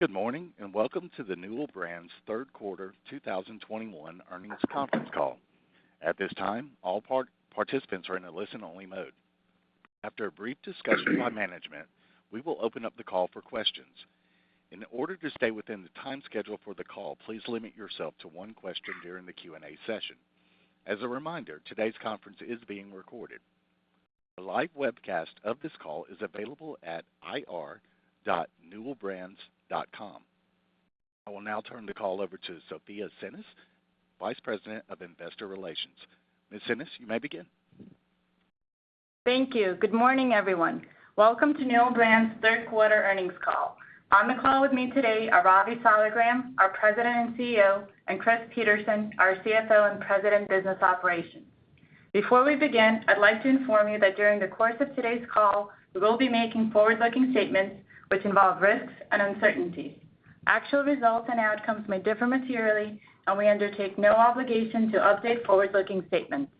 Good morning, and welcome to the Newell Brands third quarter 2021 earnings conference call. At this time, all participants are in a listen-only mode. After a brief discussion by management, we will open up the call for questions. In order to stay within the time schedule for the call, please limit yourself to one question during the Q and A session. As a reminder, today's conference is being recorded. A live webcast of this call is available at ir.newellbrands.com. I will now turn the call over to Sofya Tsinis, Vice President of Investor Relations. Ms. Tsinis, you may begin. Thank you. Good morning, everyone. Welcome to Newell Brands third quarter earnings call. On the call with me today are Ravi Saligram, our President and CEO, and Chris Peterson, our CFO and President, Business Operations. Before we begin, I'd like to inform you that during the course of today's call, we will be making forward-looking statements which involve risks and uncertainties. Actual results and outcomes may differ materially, and we undertake no obligation to update forward-looking statements.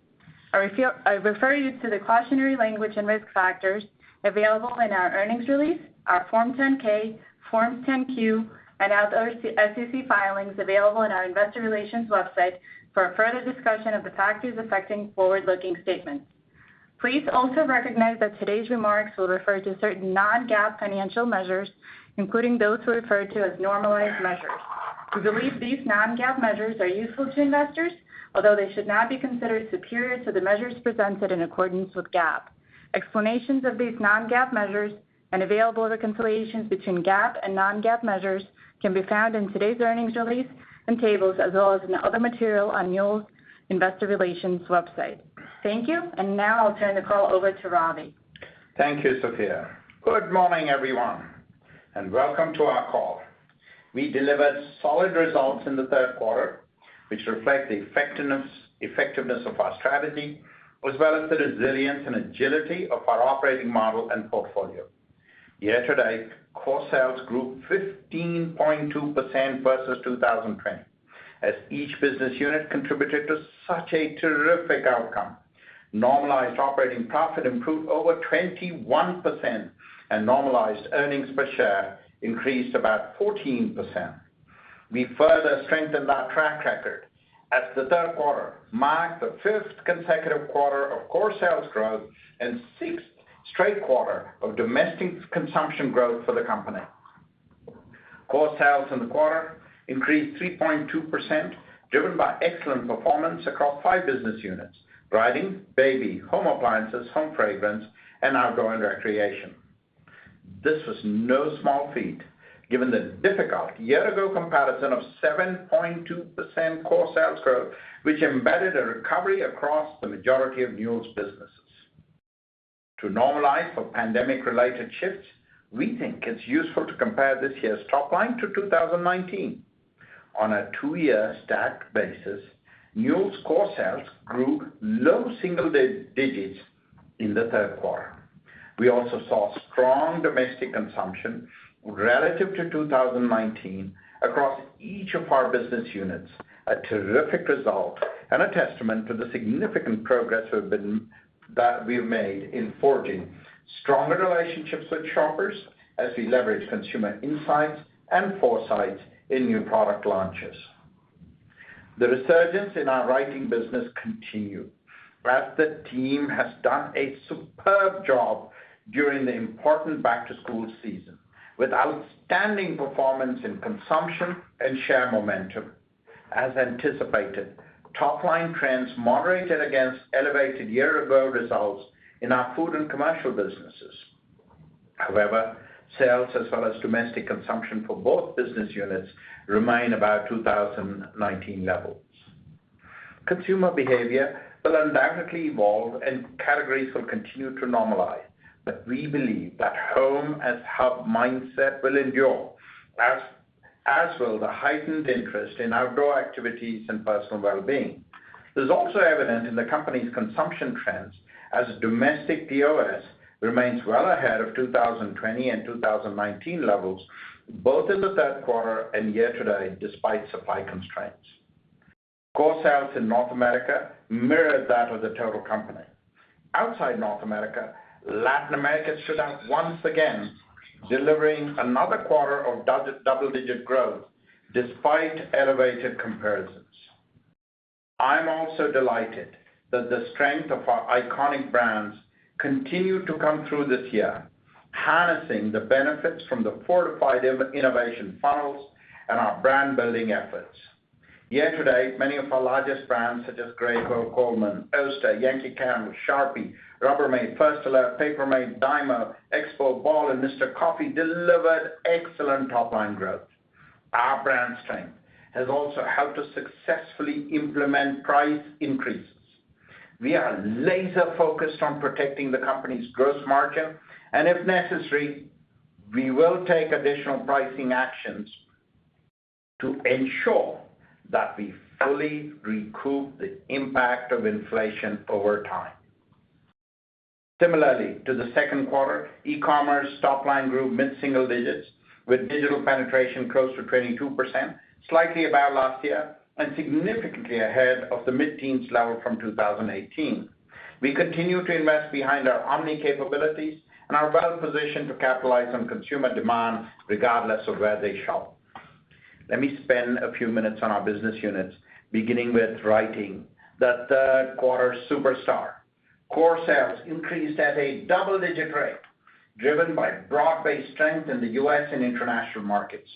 I refer you to the cautionary language and risk factors available in our earnings release, our Form 10-K, Form 10-Q, and other SEC filings available on our investor relations website for a further discussion of the factors affecting forward-looking statements. Please also recognize that today's remarks will refer to certain non-GAAP financial measures, including those referred to as normalized measures. We believe these non-GAAP measures are useful to investors, although they should not be considered superior to the measures presented in accordance with GAAP. Explanations of these non-GAAP measures and available reconciliations between GAAP and non-GAAP measures can be found in today's earnings release and tables, as well as in other material on Newell Brands' investor relations website. Thank you. Now I'll turn the call over to Ravi. Thank you, Sofya. Good morning, everyone, and welcome to our call. We delivered solid results in the third quarter, which reflect the effectiveness of our strategy, as well as the resilience and agility of our operating model and portfolio. Year to date, core sales grew 15.2% versus 2020, as each business unit contributed to such a terrific outcome. Normalized operating profit improved over 21%, and normalized earnings per share increased about 14%. We further strengthened our track record as the third quarter marked the fifth consecutive quarter of core sales growth and sixth straight quarter of domestic consumption growth for the company. Core sales in the quarter increased 3.2%, driven by excellent performance across five business units, writing, baby, home appliances, home fragrance, and outdoor and recreation. This was no small feat, given the difficult year-ago comparison of 7.2% core sales growth, which embedded a recovery across the majority of Newell's businesses. To normalize for pandemic-related shifts, we think it's useful to compare this year's top line to 2019. On a two-year stacked basis, Newell's core sales grew low single digits in the third quarter. We also saw strong domestic consumption relative to 2019 across each of our business units, a terrific result and a testament to the significant progress that we've made in forging stronger relationships with shoppers as we leverage consumer insights and foresights in new product launches. The resurgence in our writing business continued, as the team has done a superb job during the important back-to-school season, with outstanding performance in consumption and share momentum. As anticipated, top-line trends moderated against elevated year-over-year results in our food and commercial businesses. However, sales as well as domestic consumption for both business units remain about 2019 levels. Consumer behavior will undoubtedly evolve and categories will continue to normalize, but we believe that home as hub mindset will endure, as will the heightened interest in outdoor activities and personal well-being. There's also evidence in the company's consumption trends as domestic POS remains well ahead of 2020 and 2019 levels, both in the third quarter and year-to-date, despite supply constraints. Core sales in North America mirrored that of the total company. Outside North America, Latin America stood out once again, delivering another quarter of double-digit growth despite elevated comparisons. I'm also delighted that the strength of our iconic brands continued to come through this year, harnessing the benefits from the fortified innovation funnels and our brand-building efforts. Year to date, many of our largest brands, such as Graco, Coleman, Oster, Yankee Candle, Sharpie, Rubbermaid, First Alert, Paper Mate, Dymo, EXPO, Ball, and Mr. Coffee, delivered excellent top-line growth. Our brand strength has also helped us successfully implement price increases. We are laser-focused on protecting the company's gross margin, and if necessary, we will take additional pricing actions to ensure that we fully recoup the impact of inflation over time. Similarly to the second quarter, e-commerce top line grew mid-single digits, with digital penetration close to 22%, slightly above last year and significantly ahead of the mid-teens level from 2018. We continue to invest behind our omni capabilities and are well-positioned to capitalize on consumer demand regardless of where they shop. Let me spend a few minutes on our business units, beginning with Writing, the third quarter superstar. Core sales increased at a double-digit rate, driven by broad-based strength in the U.S. and international markets.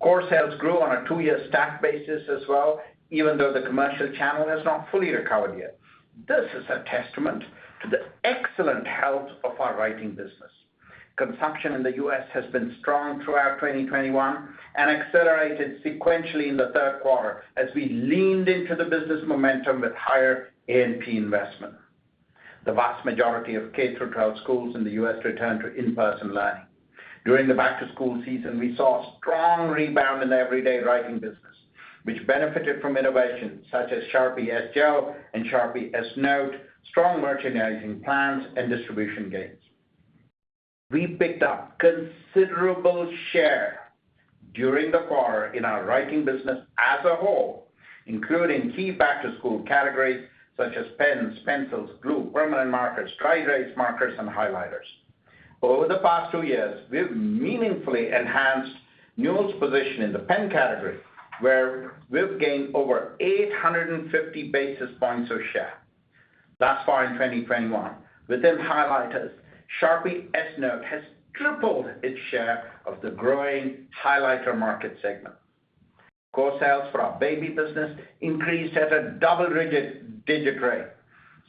Core sales grew on a two-year stack basis as well, even though the commercial channel has not fully recovered yet. This is a testament to the excellent health of our Writing business. Consumption in the U.S. has been strong throughout 2021 and accelerated sequentially in the third quarter as we leaned into the business momentum with higher A&P investment. The vast majority of K-12 schools in the U.S. returned to in-person learning. During the back-to-school season, we saw strong rebound in the everyday writing business, which benefited from innovations such as Sharpie S-Gel and Sharpie S-Note, strong merchandising plans, and distribution gains. We picked up considerable share during the quarter in our Writing business as a whole, including key back-to-school categories such as pens, pencils, glue, permanent markers, dry erase markers, and highlighters. Over the past two years, we've meaningfully enhanced Newell's position in the pen category, where we've gained over 850 basis points of share thus far in 2021. Within highlighters, Sharpie S-Note has tripled its share of the growing highlighter market segment. Core sales for our Baby business increased at a double-digit rate,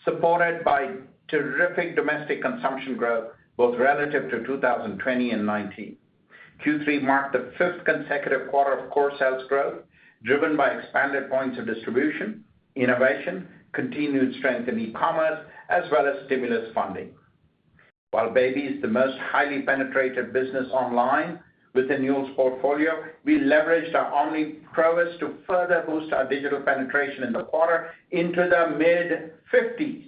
supported by terrific domestic consumption growth, both relative to 2020 and 2019. Q3 marked the fifth consecutive quarter of core sales growth, driven by expanded points of distribution, innovation, continued strength in e-commerce, as well as stimulus funding. While Baby is the most highly penetrated business online within Newell's portfolio, we leveraged our omni prowess to further boost our digital penetration in the quarter into the mid-50s%.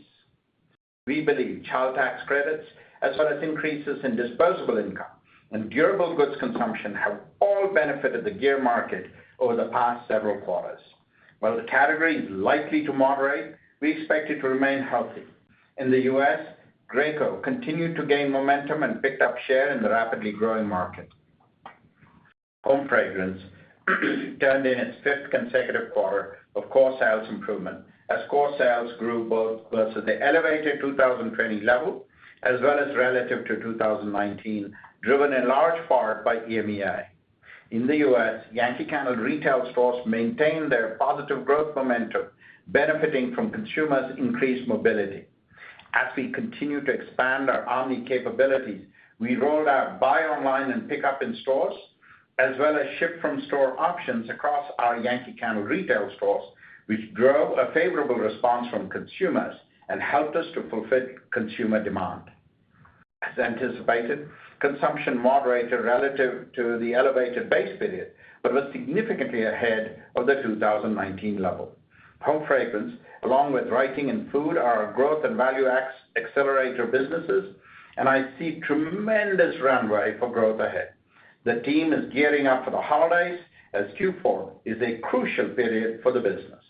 We believe child tax credits, as well as increases in disposable income and durable goods consumption, have all benefited the gear market over the past several quarters. While the category is likely to moderate, we expect it to remain healthy. In the U.S., Graco continued to gain momentum and picked up share in the rapidly growing market. Home Fragrance turned in its fifth consecutive quarter of core sales improvement, as core sales grew both versus the elevated 2020 level as well as relative to 2019, driven in large part by EMEA. In the U.S., Yankee Candle retail stores maintained their positive growth momentum, benefiting from consumers' increased mobility. As we continue to expand our omni capabilities, we rolled out buy online and pickup in stores, as well as ship from store options across our Yankee Candle retail stores, which drove a favorable response from consumers and helped us to fulfill consumer demand. As anticipated, consumption moderated relative to the elevated base period, but was significantly ahead of the 2019 level. Home Fragrance, along with Writing and Food, are our growth and value accelerator businesses, and I see tremendous runway for growth ahead. The team is gearing up for the holidays, as Q4 is a crucial period for the business.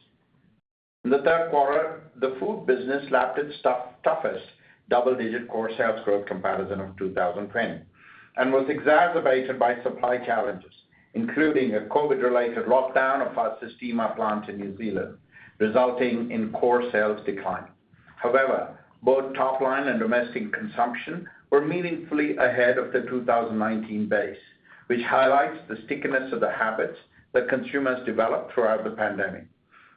In the third quarter, the Food business lapped its toughest double-digit core sales growth comparison of 2020, and was exacerbated by supply challenges, including a COVID-related lockdown of our Sistema plant in New Zealand, resulting in core sales decline. However, both top line and domestic consumption were meaningfully ahead of the 2019 base, which highlights the stickiness of the habits that consumers developed throughout the pandemic.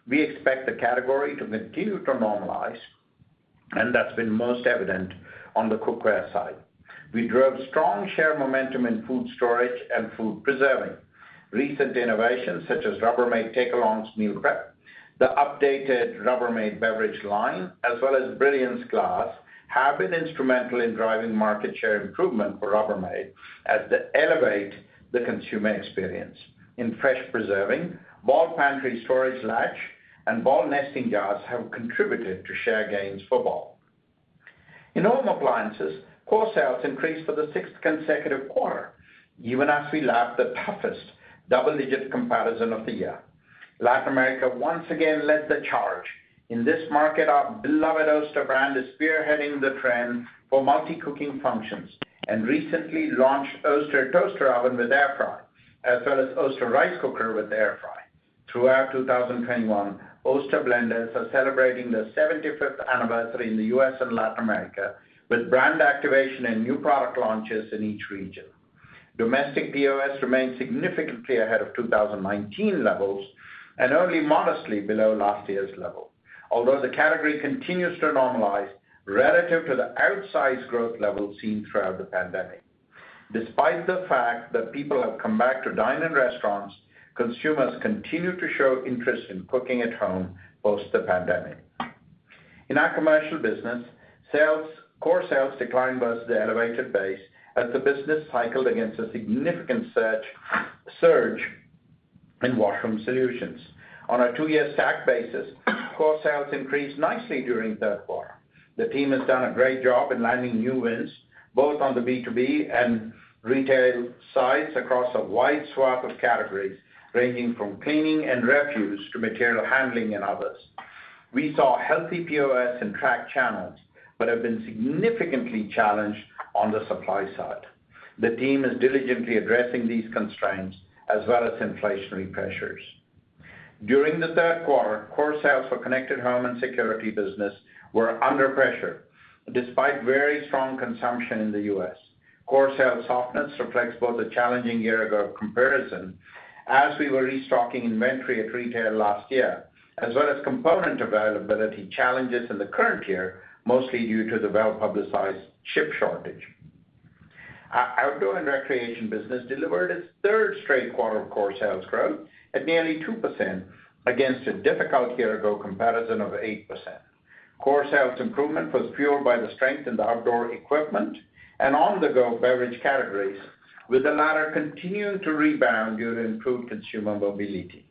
We expect the category to continue to normalize, and that's been most evident on the cookware side. We drove strong share momentum in food storage and food preserving. Recent innovations such as Rubbermaid TakeAlongs Meal Prep, the updated Rubbermaid beverage line, as well as Brilliance glass, have been instrumental in driving market share improvement for Rubbermaid as they elevate the consumer experience. In fresh preserving, Ball Storage Latch and Ball Nesting Jars have contributed to share gains for Ball. In Home Appliances, core sales increased for the sixth consecutive quarter, even as we lapped the toughest double-digit comparison of the year. Latin America once again led the charge. In this market, our beloved Oster brand is spearheading the trend for multi-cooking functions and recently launched Oster toaster oven with Air Fry, as well as Oster rice cooker with Air Fry. Throughout 2021, Oster blenders are celebrating their 75th anniversary in the U.S. and Latin America with brand activation and new product launches in each region. Domestic POS remains significantly ahead of 2019 levels and only modestly below last year's level, although the category continues to normalize relative to the outsized growth levels seen throughout the pandemic. Despite the fact that people have come back to dine in restaurants, consumers continue to show interest in cooking at home post the pandemic. In our Commercial business, sales, core sales declined versus the elevated base as the business cycled against a significant surge in Washroom Solutions. On a two-year stack basis, core sales increased nicely during third quarter. The team has done a great job in landing new wins, both on the B2B and retail sides across a wide swath of categories, ranging from cleaning and refuse to material handling and others. We saw healthy POS and track channels, but have been significantly challenged on the supply side. The team is diligently addressing these constraints as well as inflationary pressures. During the third quarter, core sales for connected home and security business were under pressure despite very strong consumption in the U.S. Core sales softness reflects both a challenging year-ago comparison as we were restocking inventory at retail last year, as well as component availability challenges in the current year, mostly due to the well-publicized chip shortage. Our outdoor and recreation business delivered its third straight quarter of core sales growth at nearly 2% against a difficult year-ago comparison of 8%. Core sales improvement was fueled by the strength in the outdoor equipment and on-the-go beverage categories, with the latter continuing to rebound due to improved consumer mobility.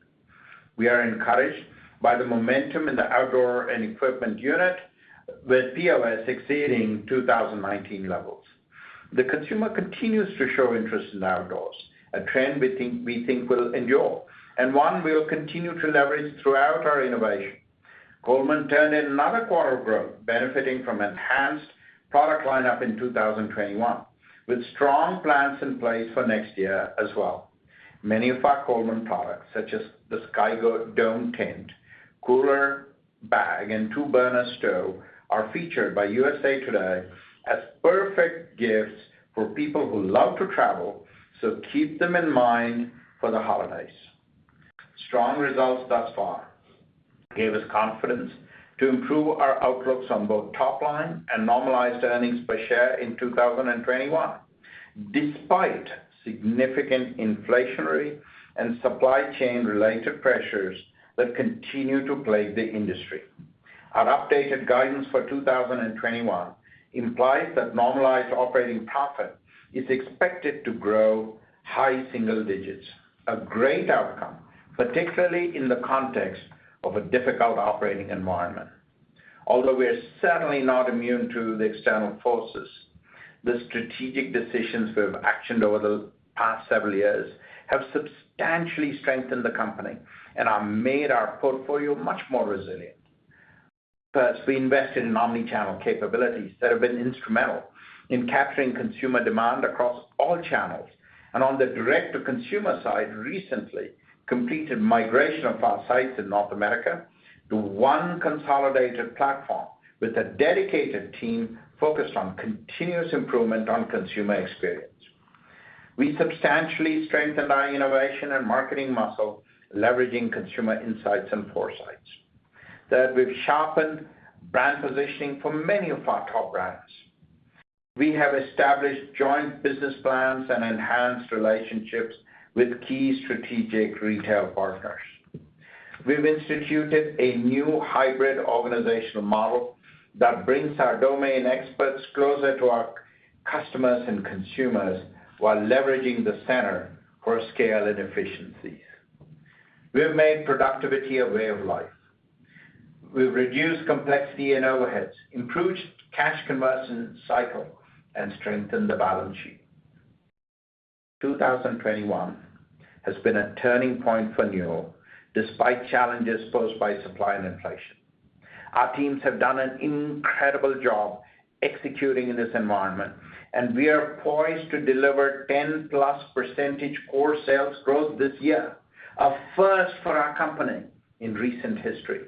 We are encouraged by the momentum in the outdoor and equipment unit, with POS exceeding 2019 levels. The consumer continues to show interest in outdoors, a trend we think will endure, and one we'll continue to leverage throughout our innovation. Coleman turned in another quarter of growth benefiting from enhanced product lineup in 2021, with strong plans in place for next year as well. Many of our Coleman products, such as the Skydome tent, cooler bag, and two-burner stove, are featured by USA Today as perfect gifts for people who love to travel, so keep them in mind for the holidays. Strong results thus far gave us confidence to improve our outlooks on both top line and normalized earnings per share in 2021, despite significant inflationary and supply chain related pressures that continue to plague the industry. Our updated guidance for 2021 implies that normalized operating profit is expected to grow high single digits%, a great outcome, particularly in the context of a difficult operating environment. Although we're certainly not immune to the external forces, the strategic decisions we've actioned over the past several years have substantially strengthened the company and made our portfolio much more resilient. First, we invested in omnichannel capabilities that have been instrumental in capturing consumer demand across all channels. On the direct-to-consumer side, recently completed migration of our sites in North America to one consolidated platform with a dedicated team focused on continuous improvement on consumer experience. We substantially strengthened our innovation and marketing muscle, leveraging consumer insights and foresights, that we've sharpened brand positioning for many of our top brands. We have established joint business plans and enhanced relationships with key strategic retail partners. We've instituted a new hybrid organizational model that brings our domain experts closer to our customers and consumers while leveraging the center for scale and efficiency. We've made productivity a way of life. We've reduced complexity and overheads, improved cash conversion cycle, and strengthened the balance sheet. 2021 has been a turning point for Newell despite challenges posed by supply and inflation. Our teams have done an incredible job executing in this environment, and we are poised to deliver 10%+ core sales growth this year, a first for our company in recent history.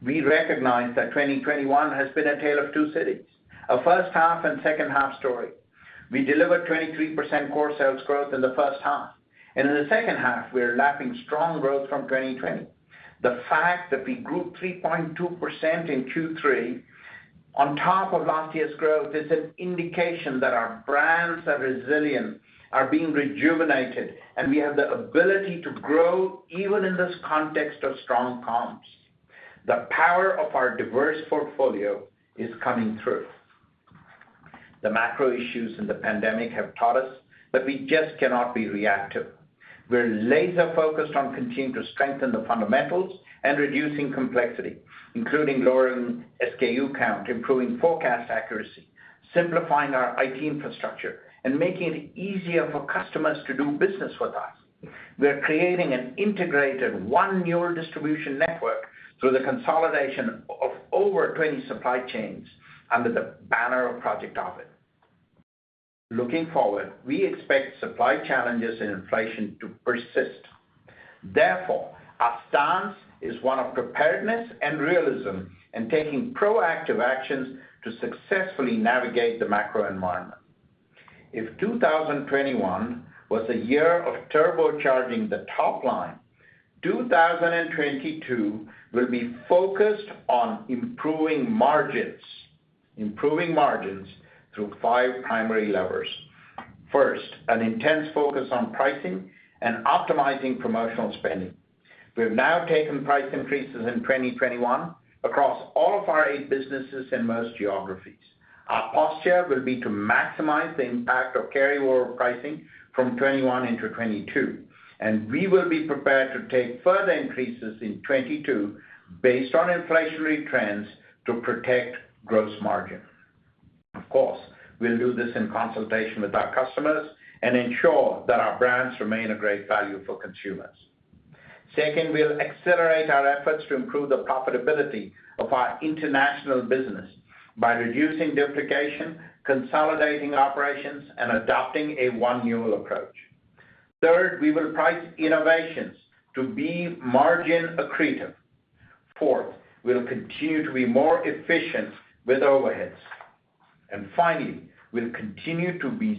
We recognize that 2021 has been a tale of two cities, a first half and second half story. We delivered 23% core sales growth in the first half, and in the second half, we're lapping strong growth from 2020. The fact that we grew 3.2% in Q3 on top of last year's growth is an indication that our brands are resilient, are being rejuvenated, and we have the ability to grow even in this context of strong comps. The power of our diverse portfolio is coming through. The macro issues in the pandemic have taught us that we just cannot be reactive. We're laser-focused on continuing to strengthen the fundamentals and reducing complexity, including lowering SKU count, improving forecast accuracy, simplifying our IT infrastructure, and making it easier for customers to do business with us. We are creating an integrated One Newell distribution network through the consolidation of over 20 supply chains under the banner of Project Ovid. Looking forward, we expect supply challenges and inflation to persist. Therefore, our stance is one of preparedness and realism and taking proactive actions to successfully navigate the macro environment. If 2021 was a year of turbocharging the top line, 2022 will be focused on improving margins, improving margins through five primary levers. First, an intense focus on pricing and optimizing promotional spending. We have now taken price increases in 2021 across all of our eight businesses in most geographies. Our posture will be to maximize the impact of carryover pricing from 2021 into 2022, and we will be prepared to take further increases in 2022 based on inflationary trends to protect gross margin. Of course, we'll do this in consultation with our customers and ensure that our brands remain a great value for consumers. Second, we'll accelerate our efforts to improve the profitability of our international business by reducing duplication, consolidating operations, and adopting a One Newell approach. Third, we will price innovations to be margin accretive. Fourth, we'll continue to be more efficient with overheads. Finally, we'll continue to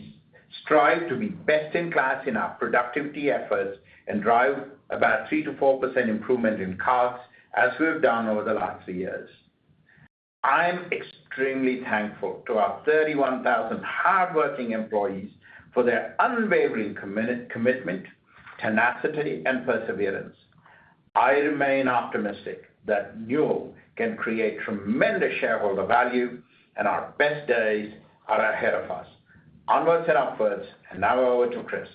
strive to be best in class in our productivity efforts and drive about 3%-4% improvement in costs as we have done over the last three years. I'm extremely thankful to our 31,000 hardworking employees for their unwavering commitment, tenacity, and perseverance. I remain optimistic that Newell can create tremendous shareholder value, and our best days are ahead of us. Onwards and upwards, and now over to Chris.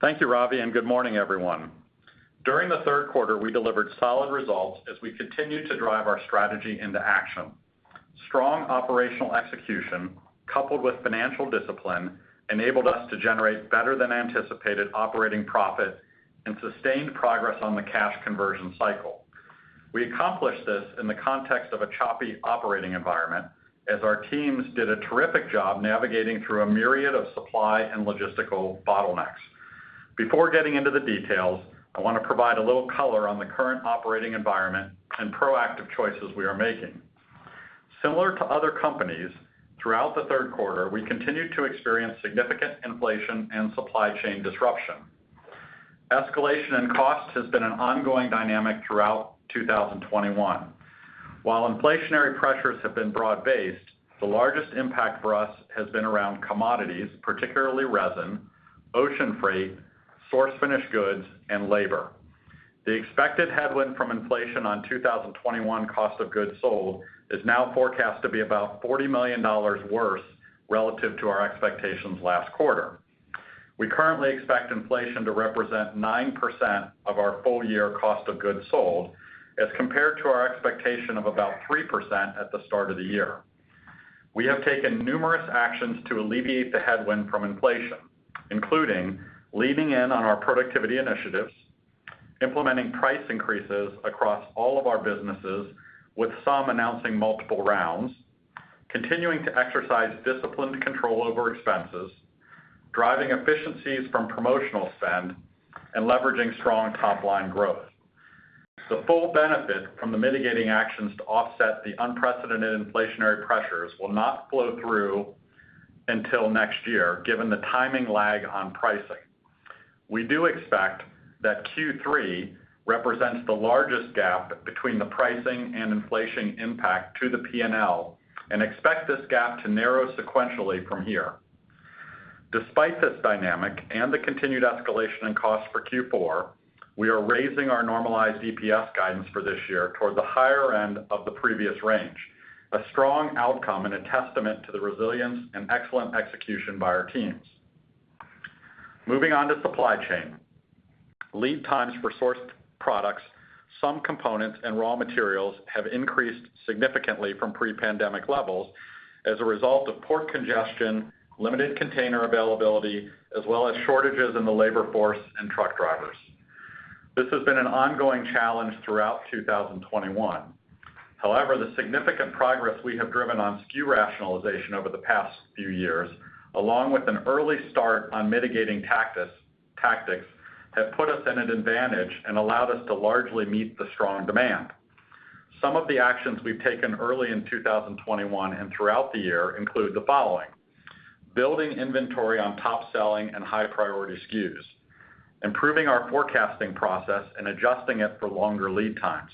Thank you, Ravi, and good morning, everyone. During the third quarter, we delivered solid results as we continued to drive our strategy into action. Strong operational execution coupled with financial discipline enabled us to generate better than anticipated operating profit and sustained progress on the cash conversion cycle. We accomplished this in the context of a choppy operating environment as our teams did a terrific job navigating through a myriad of supply and logistical bottlenecks. Before getting into the details, I wanna provide a little color on the current operating environment and proactive choices we are making. Similar to other companies, throughout the third quarter, we continued to experience significant inflation and supply chain disruption. Escalation in costs has been an ongoing dynamic throughout 2021. While inflationary pressures have been broad-based, the largest impact for us has been around commodities, particularly resin, ocean freight, source finished goods, and labor. The expected headwind from inflation on 2021 cost of goods sold is now forecast to be about $40 million worse relative to our expectations last quarter. We currently expect inflation to represent 9% of our full year cost of goods sold as compared to our expectation of about 3% at the start of the year. We have taken numerous actions to alleviate the headwind from inflation, including leaning in on our productivity initiatives, implementing price increases across all of our businesses, with some announcing multiple rounds, continuing to exercise disciplined control over expenses, driving efficiencies from promotional spend, and leveraging strong top-line growth. The full benefit from the mitigating actions to offset the unprecedented inflationary pressures will not flow through until next year, given the timing lag on pricing. We do expect that Q3 represents the largest gap between the pricing and inflation impact to the P&L and expect this gap to narrow sequentially from here. Despite this dynamic and the continued escalation in costs for Q4, we are raising our normalized EPS guidance for this year toward the higher end of the previous range, a strong outcome and a testament to the resilience and excellent execution by our teams. Moving on to supply chain. Lead times for sourced products, some components and raw materials have increased significantly from pre-pandemic levels as a result of port congestion, limited container availability, as well as shortages in the labor force and truck drivers. This has been an ongoing challenge throughout 2021. However, the significant progress we have driven on SKU rationalization over the past few years, along with an early start on mitigating tactics, have put us in an advantage and allowed us to largely meet the strong demand. Some of the actions we've taken early in 2021 and throughout the year include the following, building inventory on top-selling and high-priority SKUs, improving our forecasting process and adjusting it for longer lead times,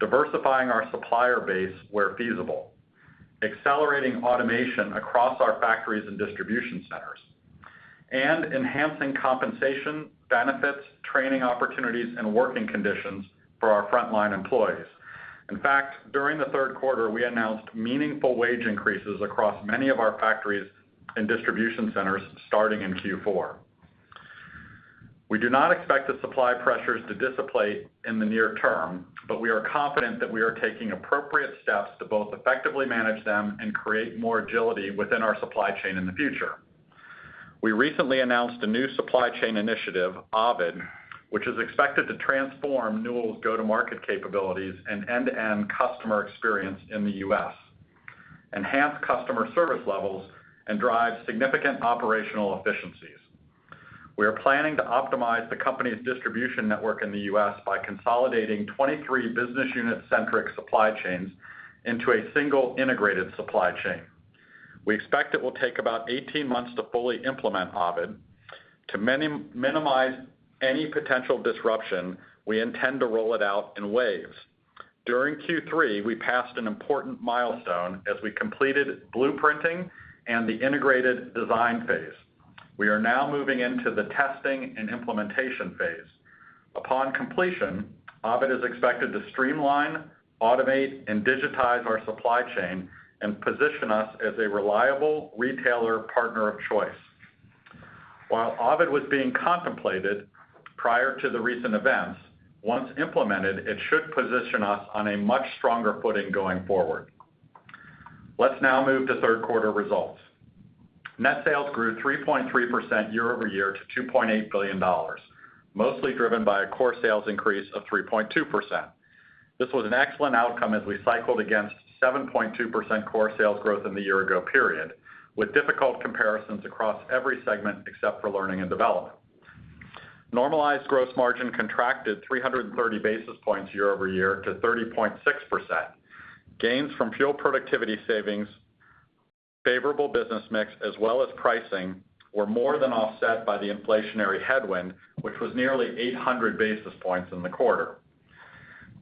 diversifying our supplier base where feasible, accelerating automation across our factories and distribution centers, and enhancing compensation, benefits, training opportunities, and working conditions for our frontline employees. In fact, during the third quarter, we announced meaningful wage increases across many of our factories and distribution centers starting in Q4. We do not expect the supply pressures to dissipate in the near term, but we are confident that we are taking appropriate steps to both effectively manage them and create more agility within our supply chain in the future. We recently announced a new supply chain initiative, Ovid, which is expected to transform Newell's go-to-market capabilities and end-to-end customer experience in the U.S., enhance customer service levels, and drive significant operational efficiencies. We are planning to optimize the company's distribution network in the U.S. by consolidating 23 business unit-centric supply chains into a single integrated supply chain. We expect it will take about 18 months to fully implement Ovid. To minimize any potential disruption, we intend to roll it out in waves. During Q3, we passed an important milestone as we completed blueprinting and the integrated design phase. We are now moving into the testing and implementation phase. Upon completion, Ovid is expected to streamline, automate, and digitize our supply chain and position us as a reliable retailer partner of choice. While Ovid was being contemplated prior to the recent events, once implemented, it should position us on a much stronger footing going forward. Let's now move to third quarter results. Net sales grew 3.3% year-over-year to $2.8 billion, mostly driven by a core sales increase of 3.2%. This was an excellent outcome as we cycled against 7.2% core sales growth in the year ago period, with difficult comparisons across every segment except for learning and development. Normalized gross margin contracted 330 basis points year-over-year to 30.6%. Gains from fuel productivity savings, favorable business mix, as well as pricing, were more than offset by the inflationary headwind, which was nearly 800 basis points in the quarter.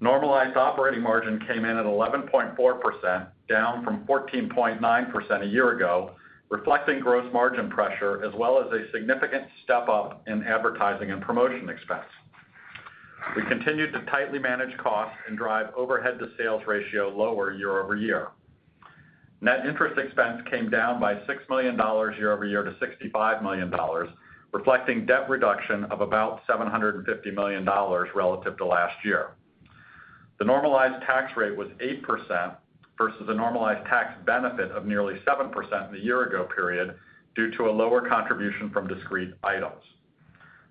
Normalized operating margin came in at 11.4%, down from 14.9% a year ago, reflecting gross margin pressure as well as a significant step up in advertising and promotion expense. We continued to tightly manage costs and drive overhead to sales ratio lower year-over-year. Net interest expense came down by $6 million year over year to $65 million, reflecting debt reduction of about $750 million relative to last year. The normalized tax rate was 8% versus a normalized tax benefit of nearly 7% in the year ago period due to a lower contribution from discrete items.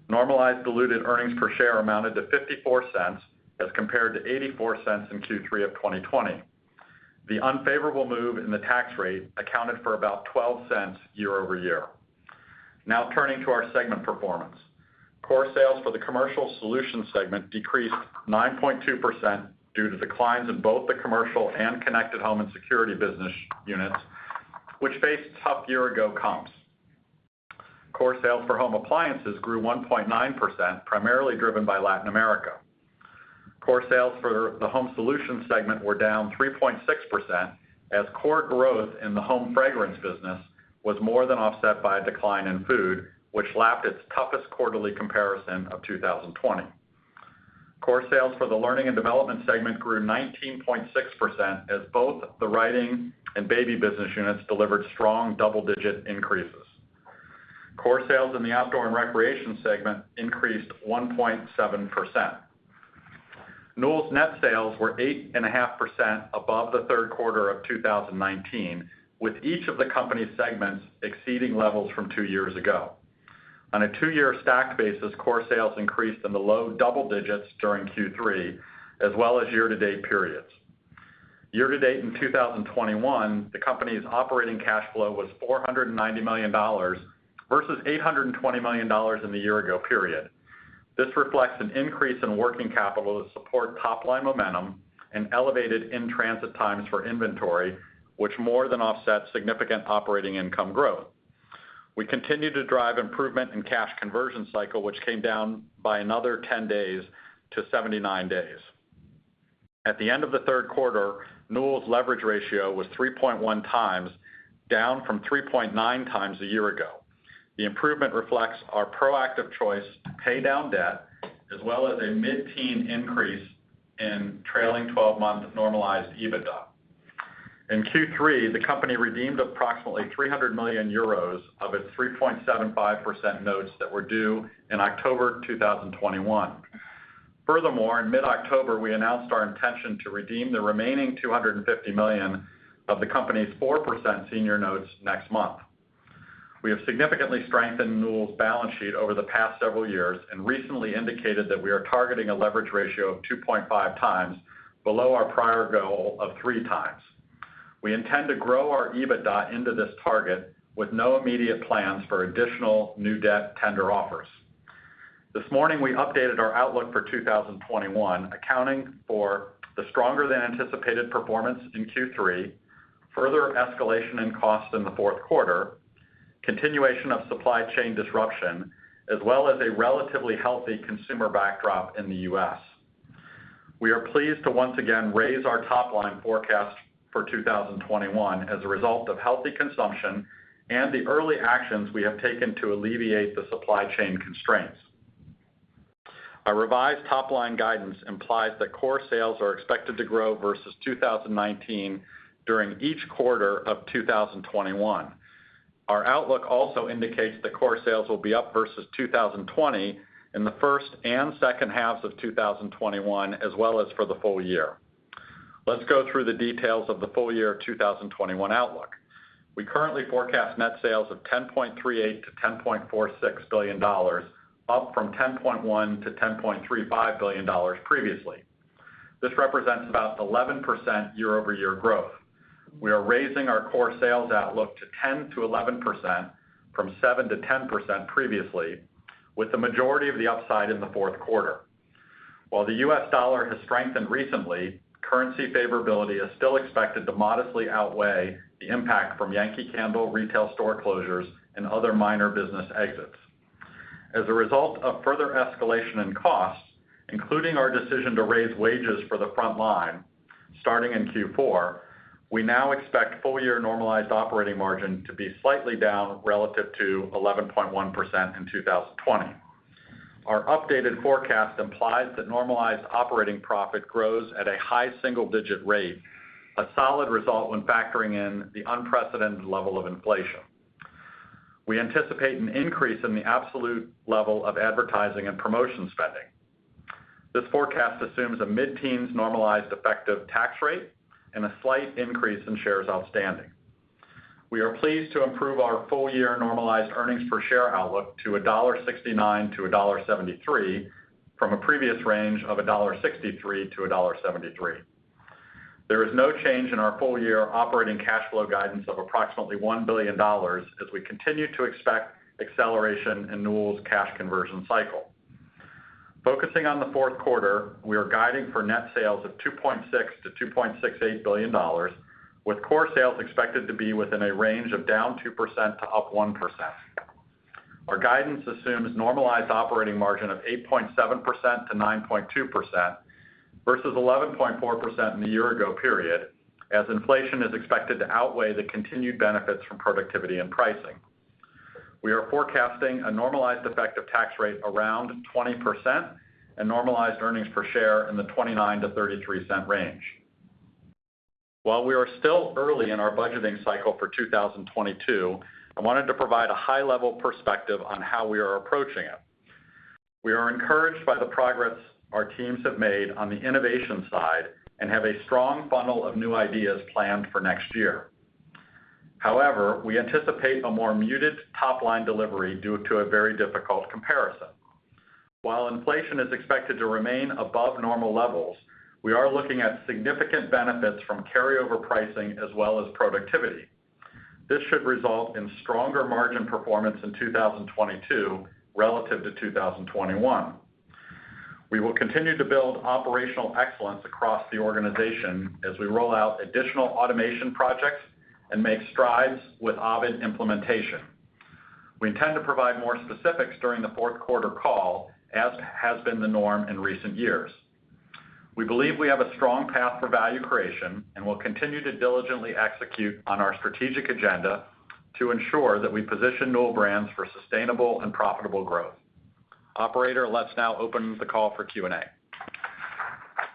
Normalized diluted earnings per share amounted to $0.54 as compared to $0.84 in Q3 of 2020. The unfavorable move in the tax rate accounted for about $0.12 year-over-year. Now turning to our segment performance. Core sales for the Commercial Solutions segment decreased 9.2% due to declines in both the commercial and connected home and security business units, which faced tough year-ago comps. Core sales for home appliances grew 1.9%, primarily driven by Latin America. Core sales for the Home Solutions segment were down 3.6% as core growth in the home fragrance business was more than offset by a decline in food, which lapped its toughest quarterly comparison of 2020. Core sales for the learning and development segment grew 19.6% as both the writing and baby business units delivered strong double-digit increases. Core sales in the outdoor and recreation segment increased 1.7%. Newell's net sales were 8.5% above the third quarter of 2019, with each of the company's segments exceeding levels from two years ago. On a two-year stack basis, core sales increased in the low double digits during Q3 as well as year-to-date periods. Year-to-date in 2021, the company's operating cash flow was $490 million versus $820 million in the year ago period. This reflects an increase in working capital to support top line momentum and elevated in-transit times for inventory, which more than offset significant operating income growth. We continue to drive improvement in cash conversion cycle, which came down by another 10 days to 79 days. At the end of the third quarter, Newell Brands' leverage ratio was 3.1 times, down from 3.9 times a year ago. The improvement reflects our proactive choice to pay down debt as well as a mid-teen increase in trailing 12-month normalized EBITDA. In Q3, the company redeemed approximately 300 million euros of its 3.75% notes that were due in October 2021. Furthermore, in mid-October, we announced our intention to redeem the remaining $250 million of the company's 4% senior notes next month. We have significantly strengthened Newell Brands' balance sheet over the past several years and recently indicated that we are targeting a leverage ratio of 2.5 times below our prior goal of 3 times. We intend to grow our EBITDA into this target with no immediate plans for additional new debt tender offers. This morning, we updated our outlook for 2021, accounting for the stronger than anticipated performance in Q3, further escalation in cost in the fourth quarter, continuation of supply chain disruption, as well as a relatively healthy consumer backdrop in the U.S. We are pleased to once again raise our top line forecast for 2021 as a result of healthy consumption and the early actions we have taken to alleviate the supply chain constraints. Our revised top-line guidance implies that core sales are expected to grow versus 2019 during each quarter of 2021. Our outlook also indicates that core sales will be up versus 2020 in the first and second halves of 2021 as well as for the full year. Let's go through the details of the full year 2021 outlook. We currently forecast net sales of $10.38 billion-$10.46 billion, up from $10.1 billion-$10.35 billion previously. This represents about 11% year-over-year growth. We are raising our core sales outlook to 10%-11% from 7%-10% previously, with the majority of the upside in the fourth quarter. While the U.S. dollar has strengthened recently, currency favorability is still expected to modestly outweigh the impact from Yankee Candle retail store closures and other minor business exits. As a result of further escalation in costs, including our decision to raise wages for the front line starting in Q4, we now expect full-year normalized operating margin to be slightly down relative to 11.1% in 2020. Our updated forecast implies that normalized operating profit grows at a high single-digit % rate, a solid result when factoring in the unprecedented level of inflation. We anticipate an increase in the absolute level of advertising and promotion spending. This forecast assumes a mid-teens % normalized effective tax rate and a slight increase in shares outstanding. We are pleased to improve our full-year normalized earnings per share outlook to $1.69-$1.73, from a previous range of $1.63-$1.73. There is no change in our full-year operating cash flow guidance of approximately $1 billion, as we continue to expect acceleration in Newell's cash conversion cycle. Focusing on the fourth quarter, we are guiding for net sales of $2.6 billion-$2.68 billion, with core sales expected to be within a range of down 2% to up 1%. Our guidance assumes normalized operating margin of 8.7%-9.2% versus 11.4% in the year ago period, as inflation is expected to outweigh the continued benefits from productivity and pricing. We are forecasting a normalized effective tax rate around 20% and normalized earnings per share in the $0.29-$0.33 range. While we are still early in our budgeting cycle for 2022, I wanted to provide a high-level perspective on how we are approaching it. We are encouraged by the progress our teams have made on the innovation side and have a strong funnel of new ideas planned for next year. However, we anticipate a more muted top-line delivery due to a very difficult comparison. While inflation is expected to remain above normal levels, we are looking at significant benefits from carryover pricing as well as productivity. This should result in stronger margin performance in 2022 relative to 2021. We will continue to build operational excellence across the organization as we roll out additional automation projects and make strides with Ovid implementation. We intend to provide more specifics during the fourth quarter call, as has been the norm in recent years. We believe we have a strong path for value creation, and we'll continue to diligently execute on our strategic agenda to ensure that we position Newell Brands for sustainable and profitable growth. Operator, let's now open the call for Q and A.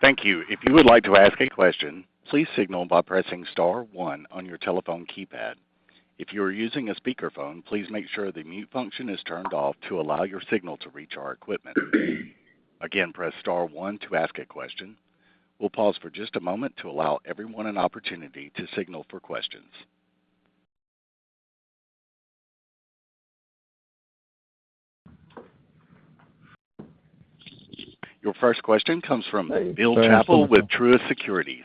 Thank you. If you would like to ask a question, please signal by pressing star one on your telephone keypad. If you are using a speakerphone, please make sure the mute function is turned off to allow your signal to reach our equipment. Again, press star one to ask a question. We'll pause for just a moment to allow everyone an opportunity to signal for questions. Your first question comes from Bill Chappell with Truist Securities.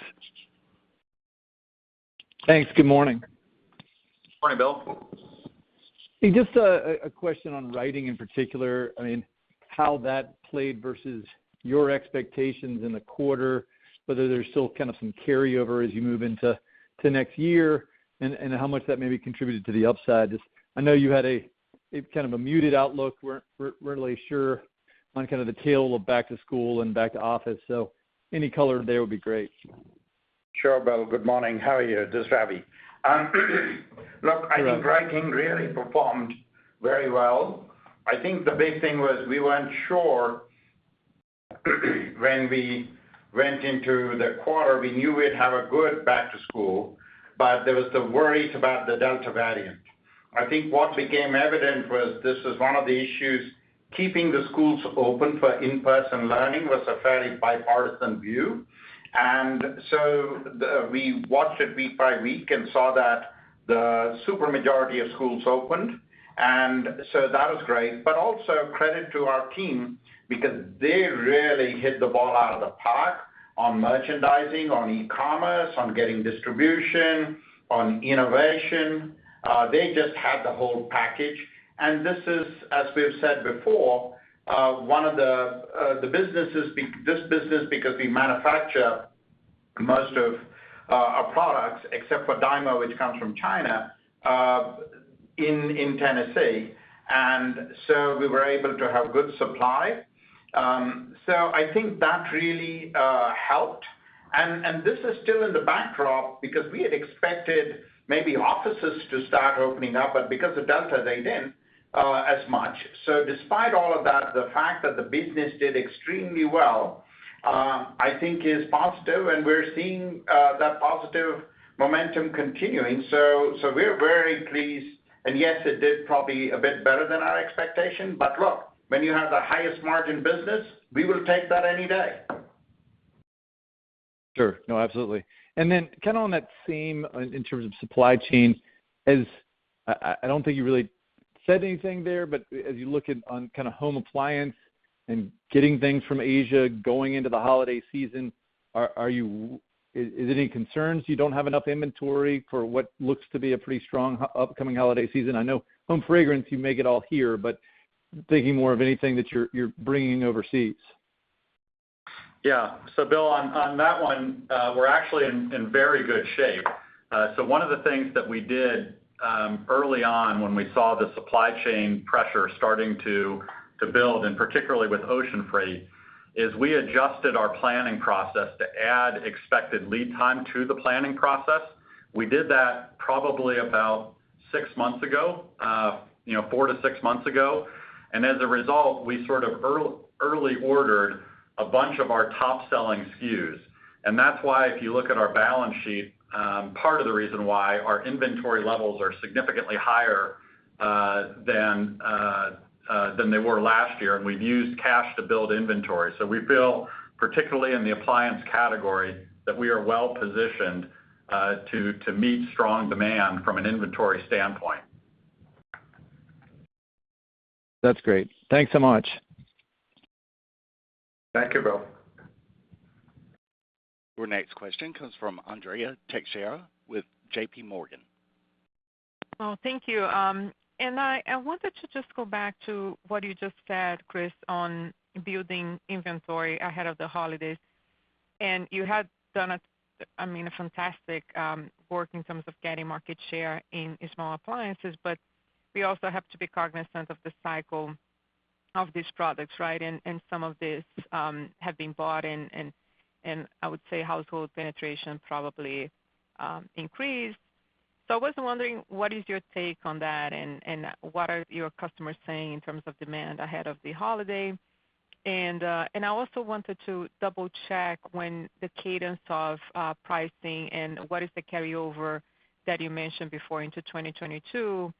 Thanks. Good morning. Morning, Bill. Hey, just a question on Writing in particular. I mean, how that played versus your expectations in the quarter, whether there's still kind of some carryover as you move into next year and how much that maybe contributed to the upside. Just, I know you had a kind of muted outlook. Weren't really sure on kind of the tail end of back to school and back to office. So any color there would be great. Sure, Bill. Good morning. How are you? This is Ravi. Look, I think Writing really performed very well. I think the big thing was we weren't sure when we went into the quarter. We knew we'd have a good back to school, but there was some worries about the Delta variant. I think what became evident was this was one of the issues, keeping the schools open for in-person learning was a fairly bipartisan view. We watched it week by week and saw that the super majority of schools opened. That was great. Also credit to our team because they really hit the ball out of the park on merchandising, on e-commerce, on getting distribution, on innovation. They just had the whole package. This is, as we have said before, one of the businesses, this business because we manufacture most of our products, except for Dymo, which comes from China, in Tennessee, and so we were able to have good supply. I think that really helped. This is still in the backdrop because we had expected maybe offices to start opening up, but because of Delta, they didn't as much. Despite all of that, the fact that the business did extremely well, I think is positive, and we're seeing that positive momentum continuing. We're very pleased. Yes, it did probably a bit better than our expectation. Look, when you have the highest margin business, we will take that any day. Sure. No, absolutely. Then kind of on that same vein in terms of supply chain, as I don't think you really said anything there, but as you look at on kind of home appliance and getting things from Asia going into the holiday season, is there any concerns you don't have enough inventory for what looks to be a pretty strong upcoming holiday season? I know home fragrance, you make it all here, but thinking more of anything that you're bringing overseas. Yeah. Bill, on that one, we're actually in very good shape. One of the things that we did early on when we saw the supply chain pressure starting to build, and particularly with ocean freight, is we adjusted our planning process to add expected lead time to the planning process. We did that probably about six months ago, you know, four to six months ago. As a result, we early ordered a bunch of our top-selling SKUs. That's why if you look at our balance sheet, part of the reason why our inventory levels are significantly higher than they were last year, and we've used cash to build inventory. We feel, particularly in the appliance category, that we are well-positioned to meet strong demand from an inventory standpoint. That's great. Thanks so much. Thank you, Bill. Your next question comes from Andrea Teixeira with JPMorgan. Well, thank you. I wanted to just go back to what you just said, Chris, on building inventory ahead of the holidays. You have done, I mean, a fantastic work in terms of getting market share in small appliances, but we also have to be cognizant of the cycle of these products, right? Some of this have been bought and I would say household penetration probably increased. I was wondering, what is your take on that and what are your customers saying in terms of demand ahead of the holiday? I also wanted to double-check when the cadence of pricing and what is the carryover that you mentioned before into 2022.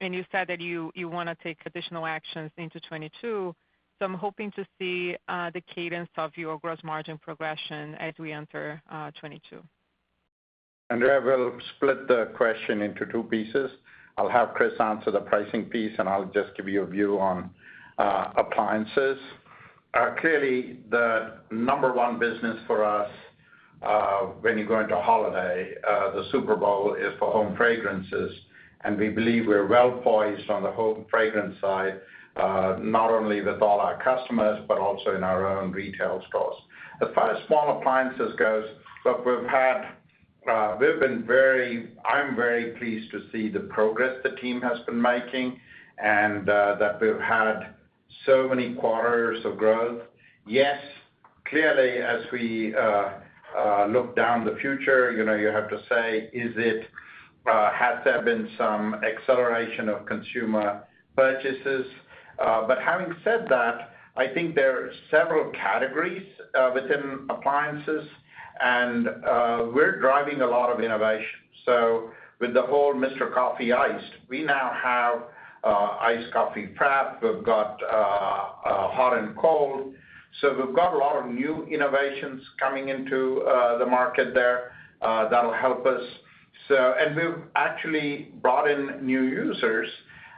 You said that you wanna take additional actions into 2022. I'm hoping to see the cadence of your gross margin progression as we enter 2022. Andrea, we'll split the question into two pieces. I'll have Chris answer the pricing piece, and I'll just give you a view on appliances. Clearly, the number one business for us, when you go into holiday, the Super Bowl, is for home fragrances, and we believe we're well-poised on the home fragrance side, not only with all our customers, but also in our own retail stores. As far as small appliances goes, look, we've been very pleased to see the progress the team has been making and that we've had so many quarters of growth. Yes, clearly, as we look to the future, you know, you have to say, is it, has there been some acceleration of consumer purchases? Having said that, I think there are several categories within appliances and we're driving a lot of innovation. With the whole Mr. Coffee Iced, we now have iced coffee prep. We've got hot and cold. We've got a lot of new innovations coming into the market there that'll help us. We've actually brought in new users.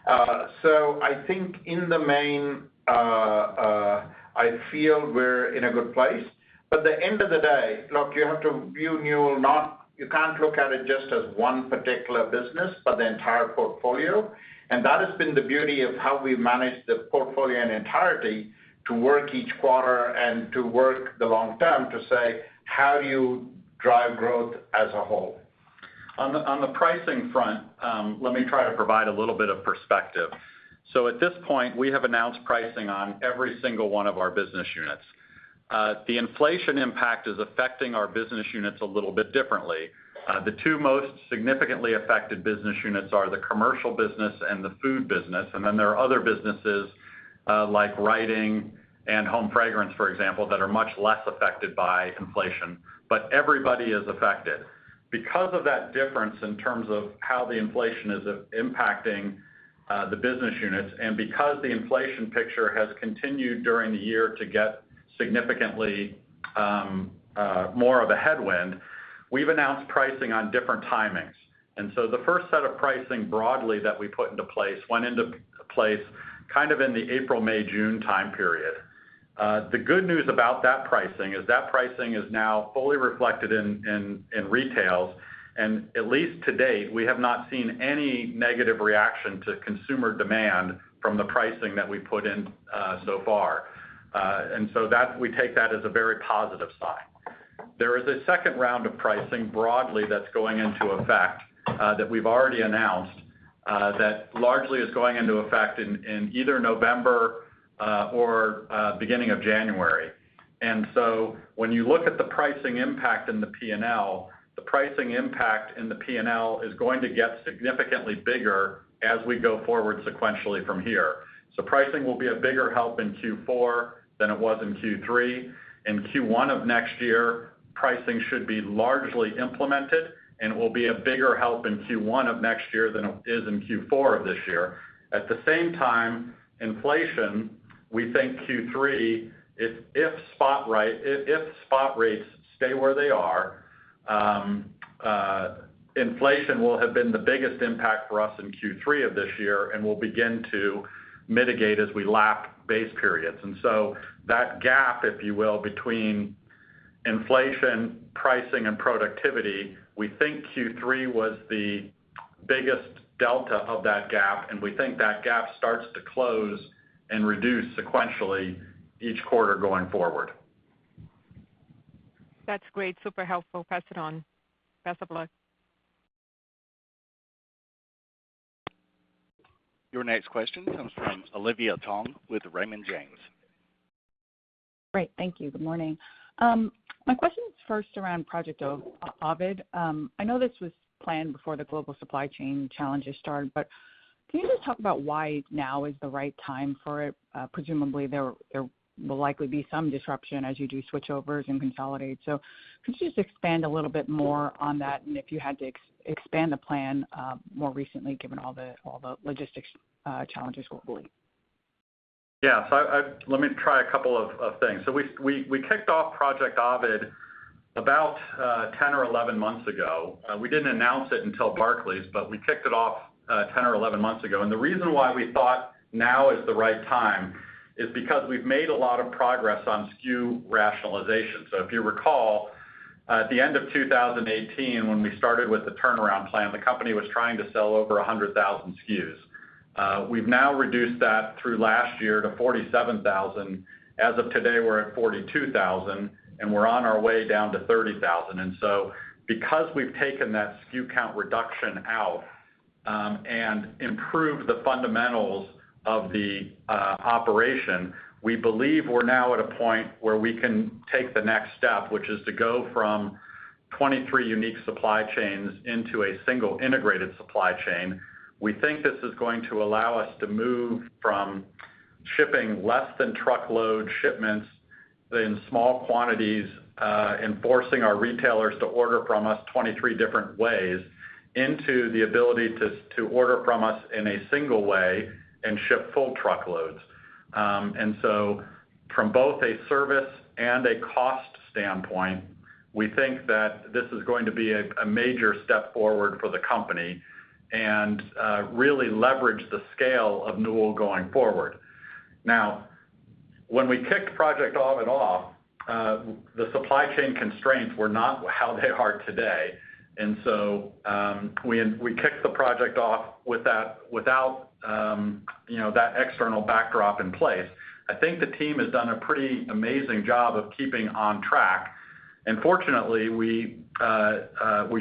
I think in the main I feel we're in a good place. At the end of the day, look, you have to view Newell. You can't look at it just as one particular business, but the entire portfolio. That has been the beauty of how we manage the portfolio in entirety to work each quarter and to work the long term to say, how do you drive growth as a whole? On the pricing front, let me try to provide a little bit of perspective. At this point, we have announced pricing on every single one of our business units. The inflation impact is affecting our business units a little bit differently. The two most significantly affected business units are the commercial business and the food business. There are other businesses, like writing and home fragrance, for example, that are much less affected by inflation. Everybody is affected. Because of that difference in terms of how the inflation is impacting the business units and because the inflation picture has continued during the year to get significantly more of a headwind, we've announced pricing on different timings. The first set of pricing broadly that we put into place went into place kind of in the April-May-June time period. The good news about that pricing is that pricing is now fully reflected in retail. At least to date, we have not seen any negative reaction to consumer demand from the pricing that we put in so far. We take that as a very positive sign. There is a second round of pricing broadly that's going into effect that we've already announced that largely is going into effect in either November or beginning of January. When you look at the pricing impact in the P&L, the pricing impact in the P&L is going to get significantly bigger as we go forward sequentially from here. Pricing will be a bigger help in Q4 than it was in Q3. In Q1 of next year, pricing should be largely implemented and will be a bigger help in Q1 of next year than it is in Q4 of this year. At the same time, inflation, we think Q3, if spot rates stay where they are, inflation will have been the biggest impact for us in Q3 of this year and will begin to mitigate as we lap base periods. That gap, if you will, between inflation, pricing, and productivity, we think Q3 was the biggest delta of that gap, and we think that gap starts to close and reduce sequentially each quarter going forward. That's great. Super helpful. Pass it on. Best of luck. Your next question comes from Olivia Tong with Raymond James. Great. Thank you. Good morning. My question is first around Project Ovid. I know this was planned before the global supply chain challenges started, but can you just talk about why now is the right time for it? Presumably there will likely be some disruption as you do switchovers and consolidate. Could you just expand a little bit more on that and if you had to expand the plan more recently given all the logistics challenges globally? Yeah. Let me try a couple of things. We kicked off Project Ovid about 10 or 11 months ago. We didn't announce it until Barclays, but we kicked it off 10 or 11 months ago. The reason why we thought now is the right time is because we've made a lot of progress on SKU rationalization. If you recall, at the end of 2018 when we started with the turnaround plan, the company was trying to sell over 100,000 SKUs. We've now reduced that through last year to 47,000. As of today, we're at 42,000, and we're on our way down to 30,000. Because we've taken that SKU count reduction out and improved the fundamentals of the operation, we believe we're now at a point where we can take the next step, which is to go from 23 unique supply chains into a single integrated supply chain. We think this is going to allow us to move from shipping less than truckload shipments in small quantities and forcing our retailers to order from us 23 different ways into the ability to order from us in a single way and ship full truckloads. From both a service and a cost standpoint, we think that this is going to be a major step forward for the company and really leverage the scale of Newell going forward. Now, when we kicked Project Ovid off, the supply chain constraints were not how they are today. We kicked the project off without you know that external backdrop in place. I think the team has done a pretty amazing job of keeping on track. Fortunately, we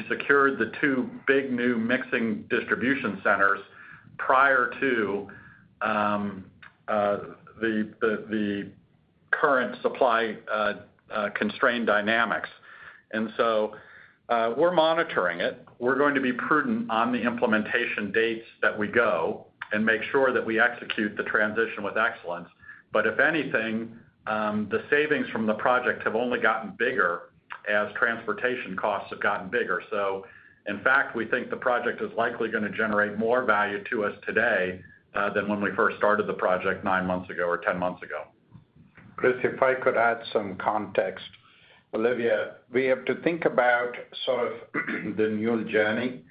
secured the two big New Mexico distribution centers prior to the current supply constraint dynamics. We're monitoring it. We're going to be prudent on the implementation dates that we go and make sure that we execute the transition with excellence. If anything, the savings from the project have only gotten bigger as transportation costs have gotten bigger. In fact, we think the project is likely gonna generate more value to us today than when we first started the project nine months ago or 10 months ago. Chris, if I could add some context. Olivia, we have to think about sort of the Newell journey.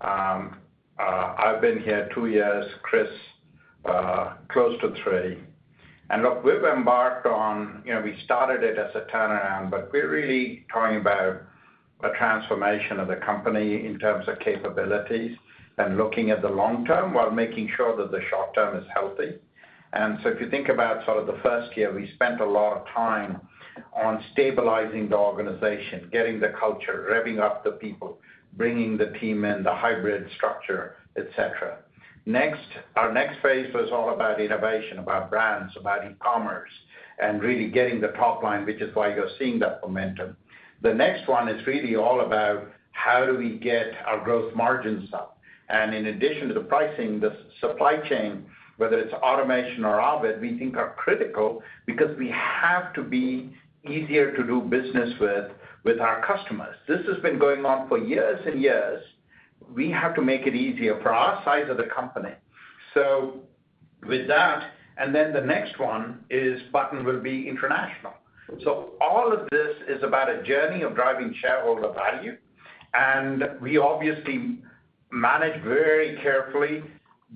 I've been here two years, Chris, close to three. Look, you know, we started it as a turnaround, but we're really talking about a transformation of the company in terms of capabilities and looking at the long term while making sure that the short term is healthy. If you think about sort of the first year, we spent a lot of time on stabilizing the organization, getting the culture, revving up the people, bringing the team in, the hybrid structure, et cetera. Our next phase was all about innovation, about brands, about e-commerce, and really getting the top line, which is why you're seeing that momentum. The next one is really all about how do we get our gross margins up. In addition to the pricing, the supply chain, whether it's automation or Ovid, we think are critical because we have to be easier to do business with our customers. This has been going on for years and years. We have to make it easier for our size of the company. With that, and then the next one is Buttons will be international. All of this is about a journey of driving shareholder value, and we obviously manage very carefully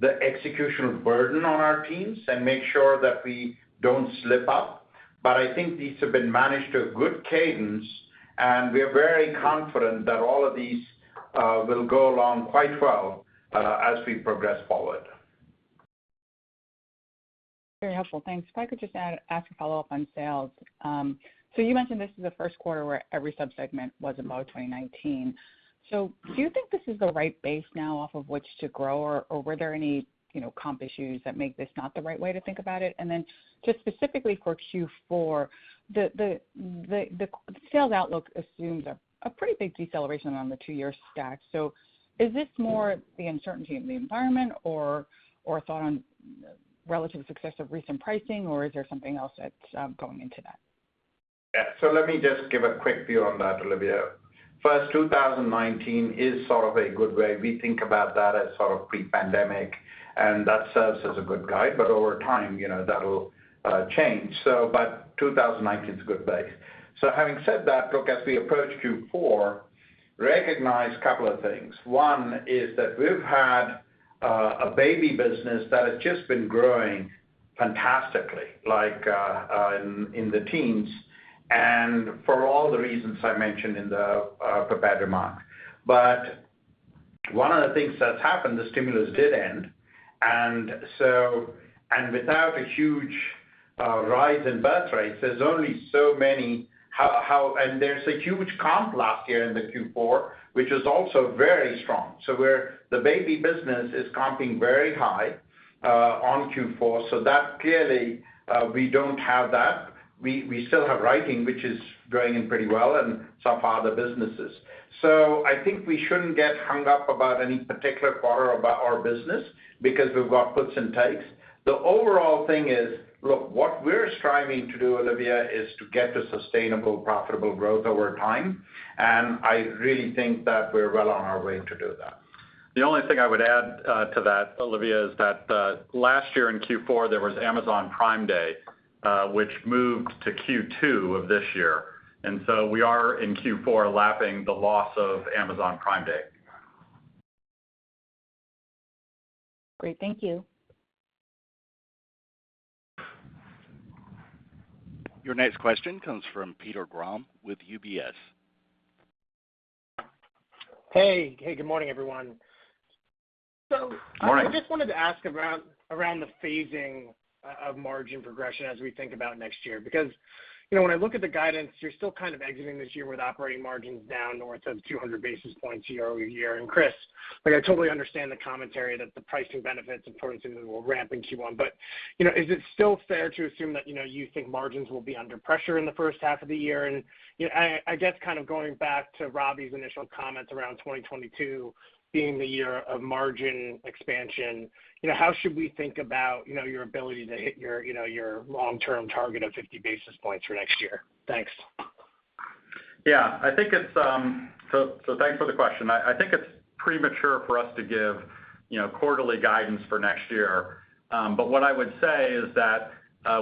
the executional burden on our teams and make sure that we don't slip up. I think these have been managed to a good cadence, and we're very confident that all of these will go along quite well as we progress forward. Very helpful. Thanks. If I could just ask a follow-up on sales. So you mentioned this is the first quarter where every sub-segment was above 2019. So do you think this is the right base now off of which to grow? Or were there any, you know, comp issues that make this not the right way to think about it? And then just specifically for Q4, the sales outlook assumes a pretty big deceleration on the two-year stack. So is this more the uncertainty of the environment or a thought on relative success of recent pricing, or is there something else that's going into that? Yeah. Let me just give a quick view on that, Olivia. First, 2019 is sort of a good way. We think about that as sort of pre-pandemic, and that serves as a good guide, but over time, you know, that'll change. 2019's a good base. Having said that, look, as we approach Q4, recognize a couple of things. One is that we've had a Baby business that has just been growing fantastically, like in the teens%, and for all the reasons I mentioned in the prepared remarks. One of the things that's happened, the stimulus did end. Without a huge rise in birth rates, there's only so many. There's a huge comp last year in the Q4, which is also very strong. The Baby business is comping very high Q4. That clearly, we don't have that. We still have Writing, which is going in pretty well and some of our other businesses. I think we shouldn't get hung up about any particular quarter about our business because we've got puts and takes. The overall thing is, look, what we're striving to do, Olivia, is to get to sustainable, profitable growth over time. I really think that we're well on our way to do that. The only thing I would add to that, Olivia, is that last year in Q4, there was Amazon Prime Day, which moved to Q2 of this year. We are in Q4 lapping the loss of Amazon Prime Day. Great. Thank you. Your next question comes from Peter Grom with UBS. Hey, good morning, everyone. Good morning. I just wanted to ask around the phasing of margin progression as we think about next year. Because, you know, when I look at the guidance, you're still kind of exiting this year with operating margins down north of 200 basis points year-over-year. Chris, look, I totally understand the commentary that the pricing benefits and productivity will ramp in Q1. You know, is it still fair to assume that, you know, you think margins will be under pressure in the first half of the year? You know, I guess kind of going back to Ravi's initial comments around 2022 being the year of margin expansion, you know, how should we think about, you know, your ability to hit your, you know, your long-term target of 50 basis points for next year? Thanks. Yeah, I think it's. Thanks for the question. I think it's premature for us to give, you know, quarterly guidance for next year. What I would say is that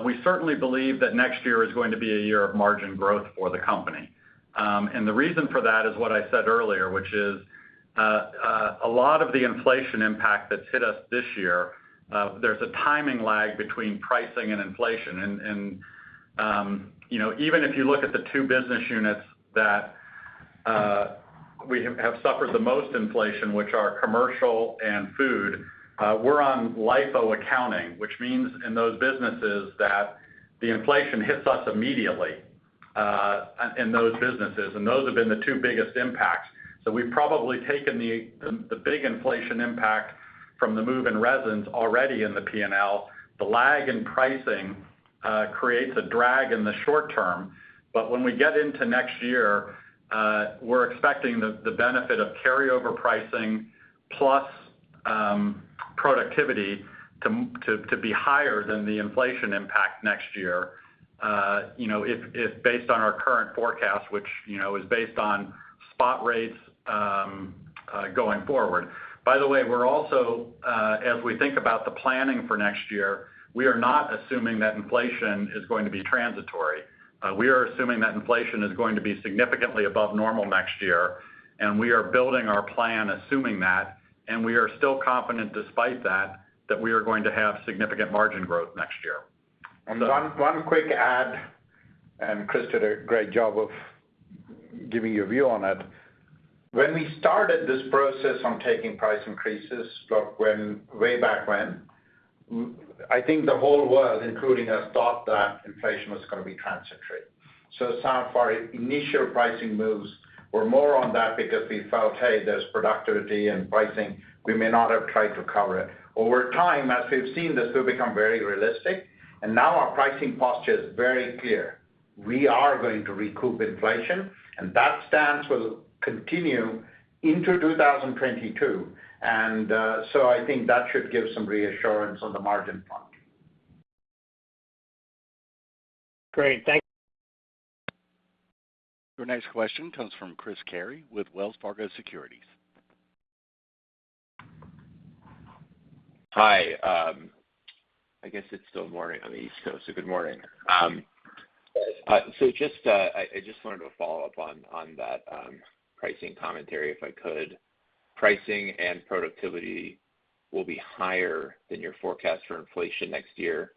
we certainly believe that next year is going to be a year of margin growth for the company. The reason for that is what I said earlier, which is a lot of the inflation impact that's hit us this year. There's a timing lag between pricing and inflation. You know, even if you look at the two business units that we have suffered the most inflation, which are commercial and food, we're on LIFO accounting, which means in those businesses that the inflation hits us immediately in those businesses, and those have been the two biggest impacts. We've probably taken the big inflation impact from the move in resins already in the P&L. The lag in pricing creates a drag in the short term. When we get into next year, we're expecting the benefit of carryover pricing plus productivity to be higher than the inflation impact next year, you know, if based on our current forecast, which, you know, is based on spot rates going forward. By the way, we're also as we think about the planning for next year, we are not assuming that inflation is going to be transitory. We are assuming that inflation is going to be significantly above normal next year, and we are building our plan assuming that, and we are still confident despite that we are going to have significant margin growth next year. One quick add, Chris did a great job of giving you a view on it. When we started this process on taking price increases, look, way back when, I think the whole world, including us, thought that inflation was gonna be transitory. Some of our initial pricing moves were more on that because we felt, hey, there's productivity and pricing, we may not have tried to cover it. Over time, as we've seen this, we've become very realistic, and now our pricing posture is very clear. We are going to recoup inflation, and that stance will continue into 2022. I think that should give some reassurance on the margin front. Great. Thank you. Your next question comes from Chris Carey with Wells Fargo Securities. Hi. I guess it's still morning on the East Coast, so good morning. Just, I just wanted to follow up on that pricing commentary, if I could. Pricing and productivity will be higher than your forecast for inflation next year,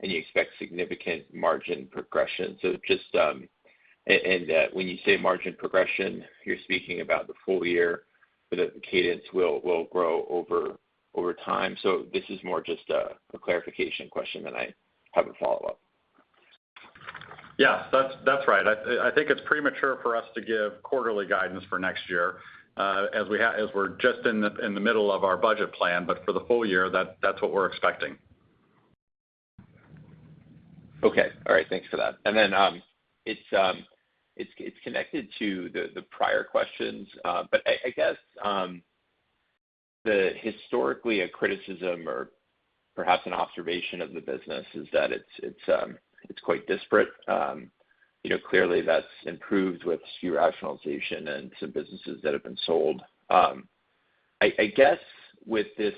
and you expect significant margin progression. Just, when you say margin progression, you're speaking about the full year, but that the cadence will grow over time. This is more just a clarification question than I have a follow-up. Yes. That's right. I think it's premature for us to give quarterly guidance for next year, as we're just in the middle of our budget plan, but for the whole year, that's what we're expecting. Okay. All right. Thanks for that. It's connected to the prior questions. I guess historically a criticism or perhaps an observation of the business is that it's quite disparate. You know, clearly that's improved with SKU rationalization and some businesses that have been sold. I guess with this,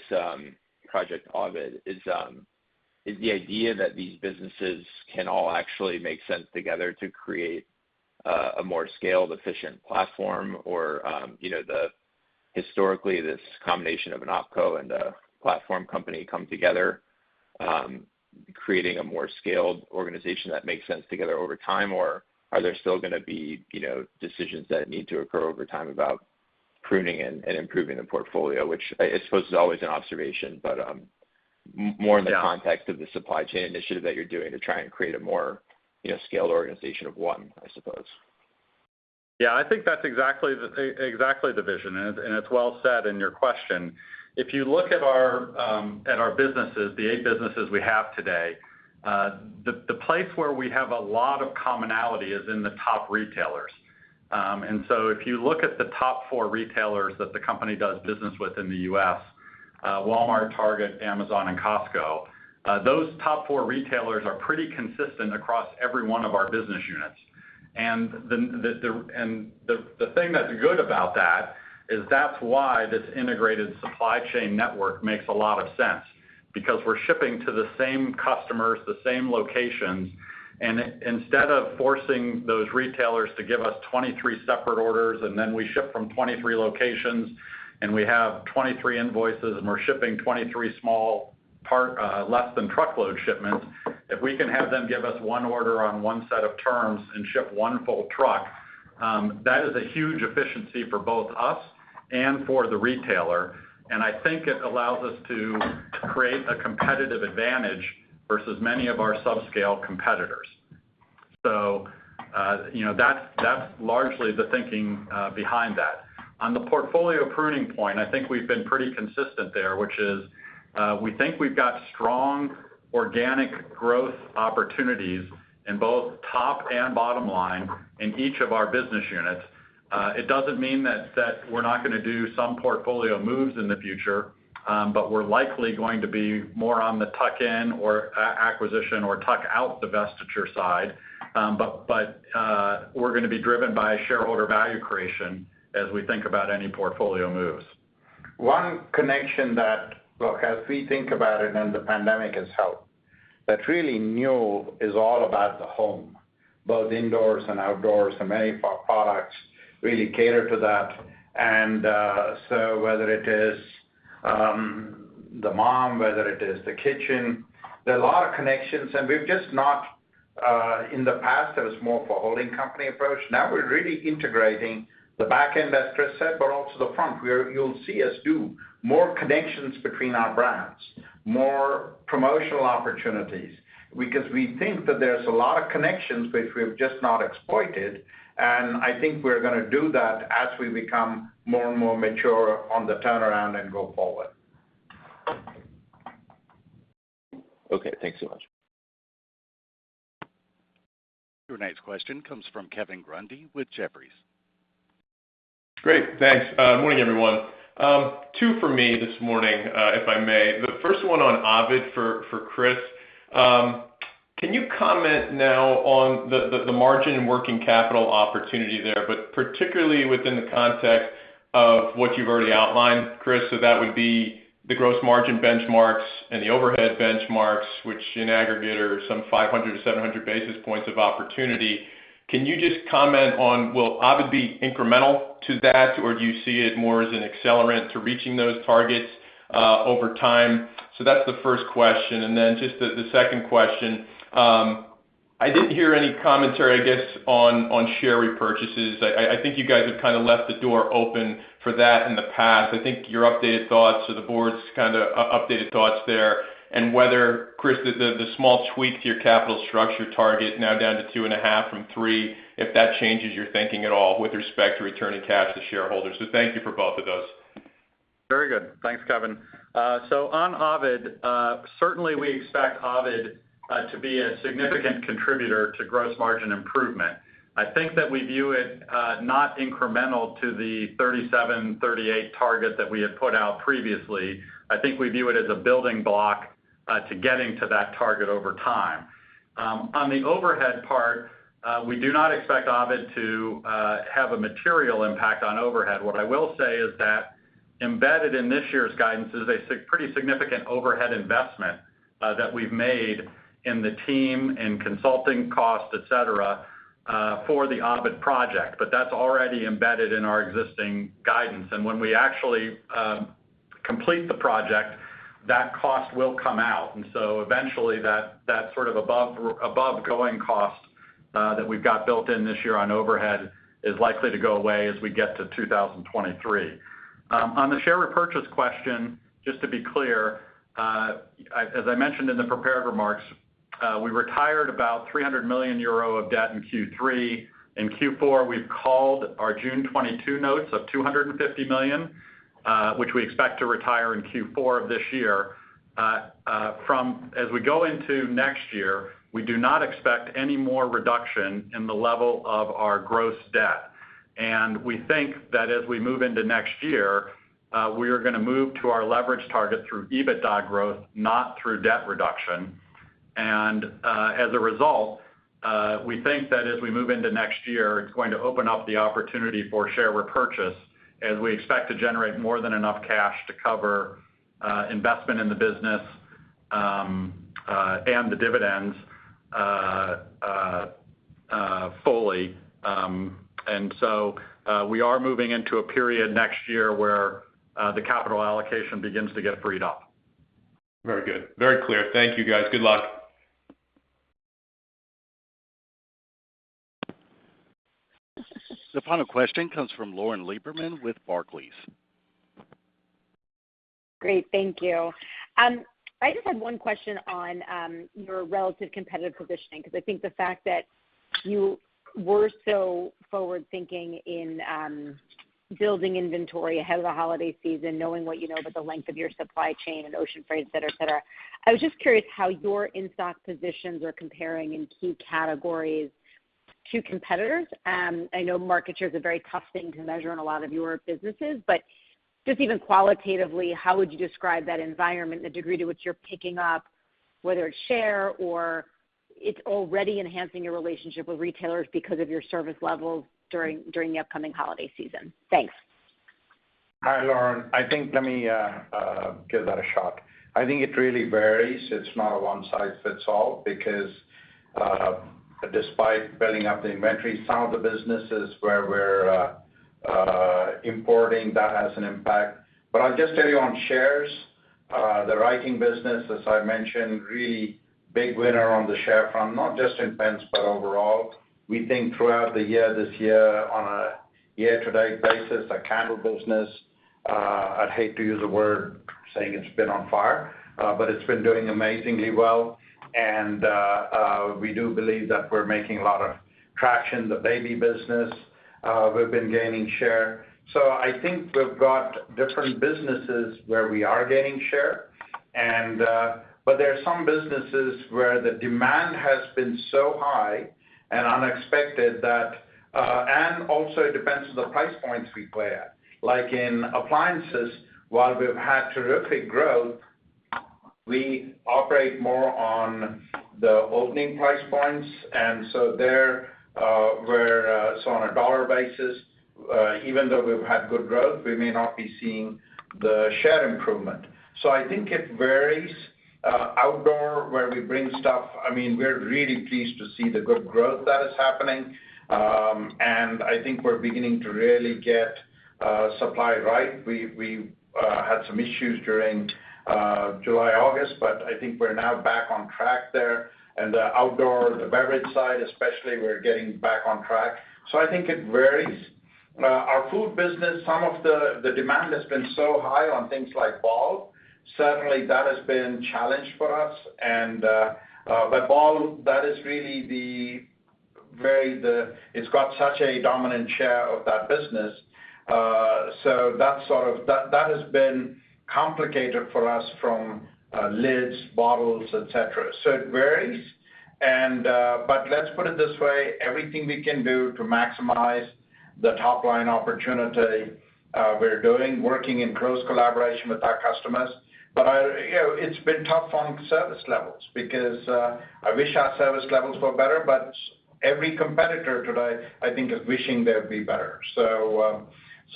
Project Ovid is the idea that these businesses can all actually make sense together to create a more scaled, efficient platform or, you know, historically, this combination of an OpCo and a platform company come together, creating a more scaled organization that makes sense together over time, or are there still gonna be, you know, decisions that need to occur over time about pruning and improving the portfolio? Which I suppose is always an observation, but more in the context of the supply chain initiative that you're doing to try and create a more, you know, scaled organization of one, I suppose. Yeah, I think that's exactly the vision. It's well said in your question. If you look at our businesses, the eight businesses we have today, the place where we have a lot of commonality is in the top retailers. If you look at the top four retailers that the company does business with in the U.S., Walmart, Target, Amazon and Costco, those top four retailers are pretty consistent across every one of our business units. The thing that's good about that is that's why this integrated supply chain network makes a lot of sense because we're shipping to the same customers, the same locations. Instead of forcing those retailers to give us 23 separate orders, and then we ship from 23 locations, and we have 23 invoices, and we're shipping 23 small part less than truckload shipments, if we can have them give us one order on one set of terms and ship one full truck, that is a huge efficiency for both us and for the retailer. I think it allows us to create a competitive advantage versus many of our subscale competitors. You know, that's largely the thinking behind that. On the portfolio pruning point, I think we've been pretty consistent there, which is, we think we've got strong organic growth opportunities in both top and bottom line in each of our business units. It doesn't mean that we're not gonna do some portfolio moves in the future, but we're likely going to be more on the tuck-in or acquisition or tuck-out divestiture side. We're gonna be driven by shareholder value creation as we think about any portfolio moves. Look, as we think about it and the pandemic has helped, that really Newell is all about the home, both indoors and outdoors. Many of our products really cater to that. Whether it is the home, whether it is the kitchen, there are a lot of connections, and we've just not. In the past, it was more of a holding company approach. Now we're really integrating the back end, as Chris said, but also the front, where you'll see us do more connections between our brands, more promotional opportunities, because we think that there's a lot of connections which we've just not exploited, and I think we're gonna do that as we become more and more mature on the turnaround and go forward. Okay, thanks so much. Your next question comes from Kevin Grundy with Jefferies. Great, thanks. Morning, everyone. Two for me this morning, if I may. The first one on Ovid for Chris. Can you comment now on the margin and working capital opportunity there, but particularly within the context of what you've already outlined, Chris? That would be the gross margin benchmarks and the overhead benchmarks, which in aggregate are some 500 or 700 basis points of opportunity. Can you just comment on will Ovid be incremental to that, or do you see it more as an accelerant to reaching those targets over time? That's the first question. Just the second question. I didn't hear any commentary, I guess, on share repurchases. I think you guys have kind of left the door open for that in the past. I think your updated thoughts or the board's kinda updated thoughts there, and whether, Chris, the small tweak to your capital structure target now down to 2.5 from three, if that changes your thinking at all with respect to returning cash to shareholders. Thank you for both of those. Very good. Thanks, Kevin. So on Ovid, certainly we expect Ovid to be a significant contributor to gross margin improvement. I think that we view it not incremental to the 37-38 target that we had put out previously. I think we view it as a building block to getting to that target over time. On the overhead part, we do not expect Ovid to have a material impact on overhead. What I will say is that embedded in this year's guidance is a pretty significant overhead investment that we've made in the team and consulting costs, et cetera, for the Ovid project. But that's already embedded in our existing guidance. When we actually complete the project, that cost will come out. Eventually that sort of ongoing cost that we've got built in this year on overhead is likely to go away as we get to 2023. On the share repurchase question, just to be clear, as I mentioned in the prepared remarks, we retired about 300 million euro of debt in Q3. In Q4, we've called our June 2022 notes of 250 million, which we expect to retire in Q4 of this year. As we go into next year, we do not expect any more reduction in the level of our gross debt. We think that as we move into next year, we are gonna move to our leverage target through EBITDA growth, not through debt reduction. As a result, we think that as we move into next year, it's going to open up the opportunity for share repurchase as we expect to generate more than enough cash to cover investment in the business, and the dividends fully. We are moving into a period next year where the capital allocation begins to get freed up. Very good. Very clear. Thank you, guys. Good luck. The final question comes from Lauren Lieberman with Barclays. Great. Thank you. I just had one question on your relative competitive positioning 'cause I think the fact that you were so forward-thinking in building inventory ahead of the holiday season, knowing what you know about the length of your supply chain and ocean freight, et cetera, et cetera. I was just curious how your in-stock positions are comparing in key categories to competitors. I know market share is a very tough thing to measure in a lot of your businesses, but just even qualitatively, how would you describe that environment, the degree to which you're picking up, whether it's share or it's already enhancing your relationship with retailers because of your service levels during the upcoming holiday season? Thanks. Hi, Lauren. I think let me give that a shot. I think it really varies. It's not a one-size-fits-all because despite building up the inventory, some of the businesses where we're importing, that has an impact. I'll just tell you on shares, the writing business, as I mentioned, really big winner on the share front, not just in pens, but overall. We think throughout the year this year on a year-to-date basis, the Candle business, I'd hate to use the word saying it's been on fire, but it's been doing amazingly well. We do believe that we're making a lot of traction. The baby business, we've been gaining share. I think we've got different businesses where we are gaining share, but there are some businesses where the demand has been so high and unexpected that and also it depends on the price points we play at. Like in appliances, while we've had terrific growth, we operate more on the opening price points. There, on a dollar basis, even though we've had good growth, we may not be seeing the share improvement. I think it varies. Outdoor, where we bring stuff, I mean, we're really pleased to see the good growth that is happening. I think we're beginning to really get supply right. We had some issues during July, August, but I think we're now back on track there. The outdoor, the beverage side especially, we're getting back on track. I think it varies. Our food business, some of the demand has been so high on things like Ball. Certainly, that has been a challenge for us. Ball, that is really very. It's got such a dominant share of that business. That's. That has been complicated for us from lids, bottles, et cetera. It varies. Let's put it this way, everything we can do to maximize the top line opportunity, we're doing, working in close collaboration with our customers. You know, it's been tough on service levels because I wish our service levels were better, but every competitor today, I think, is wishing they'd be better.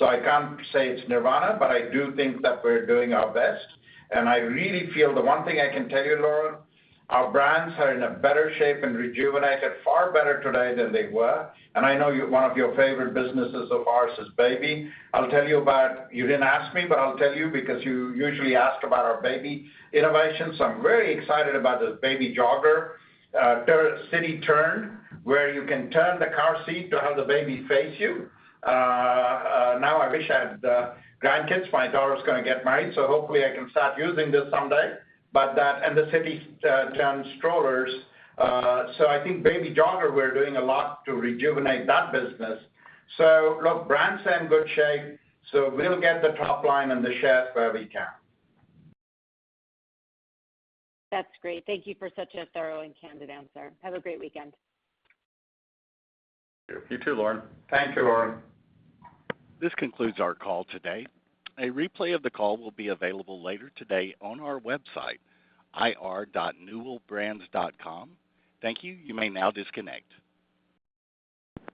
I can't say it's nirvana, but I do think that we're doing our best. I really feel the one thing I can tell you, Lauren, our brands are in a better shape and rejuvenated far better today than they were. I know one of your favorite businesses of ours is Baby. I'll tell you about. You didn't ask me, but I'll tell you because you usually ask about our Baby innovations. I'm very excited about this Baby Jogger City Turn, where you can turn the car seat to have the baby face you. Now I wish I had grandkids. My daughter's gonna get married, so hopefully I can start using this someday. That and the City Turn strollers. I think Baby Jogger, we're doing a lot to rejuvenate that business. Look, brands are in good shape, so we'll get the top line and the shares where we can. That's great. Thank you for such a thorough and candid answer. Have a great weekend. You too. You too, Lauren. Thank you, Lauren. This concludes our call today. A replay of the call will be available later today on our website, ir.newellbrands.com. Thank you. You may now disconnect.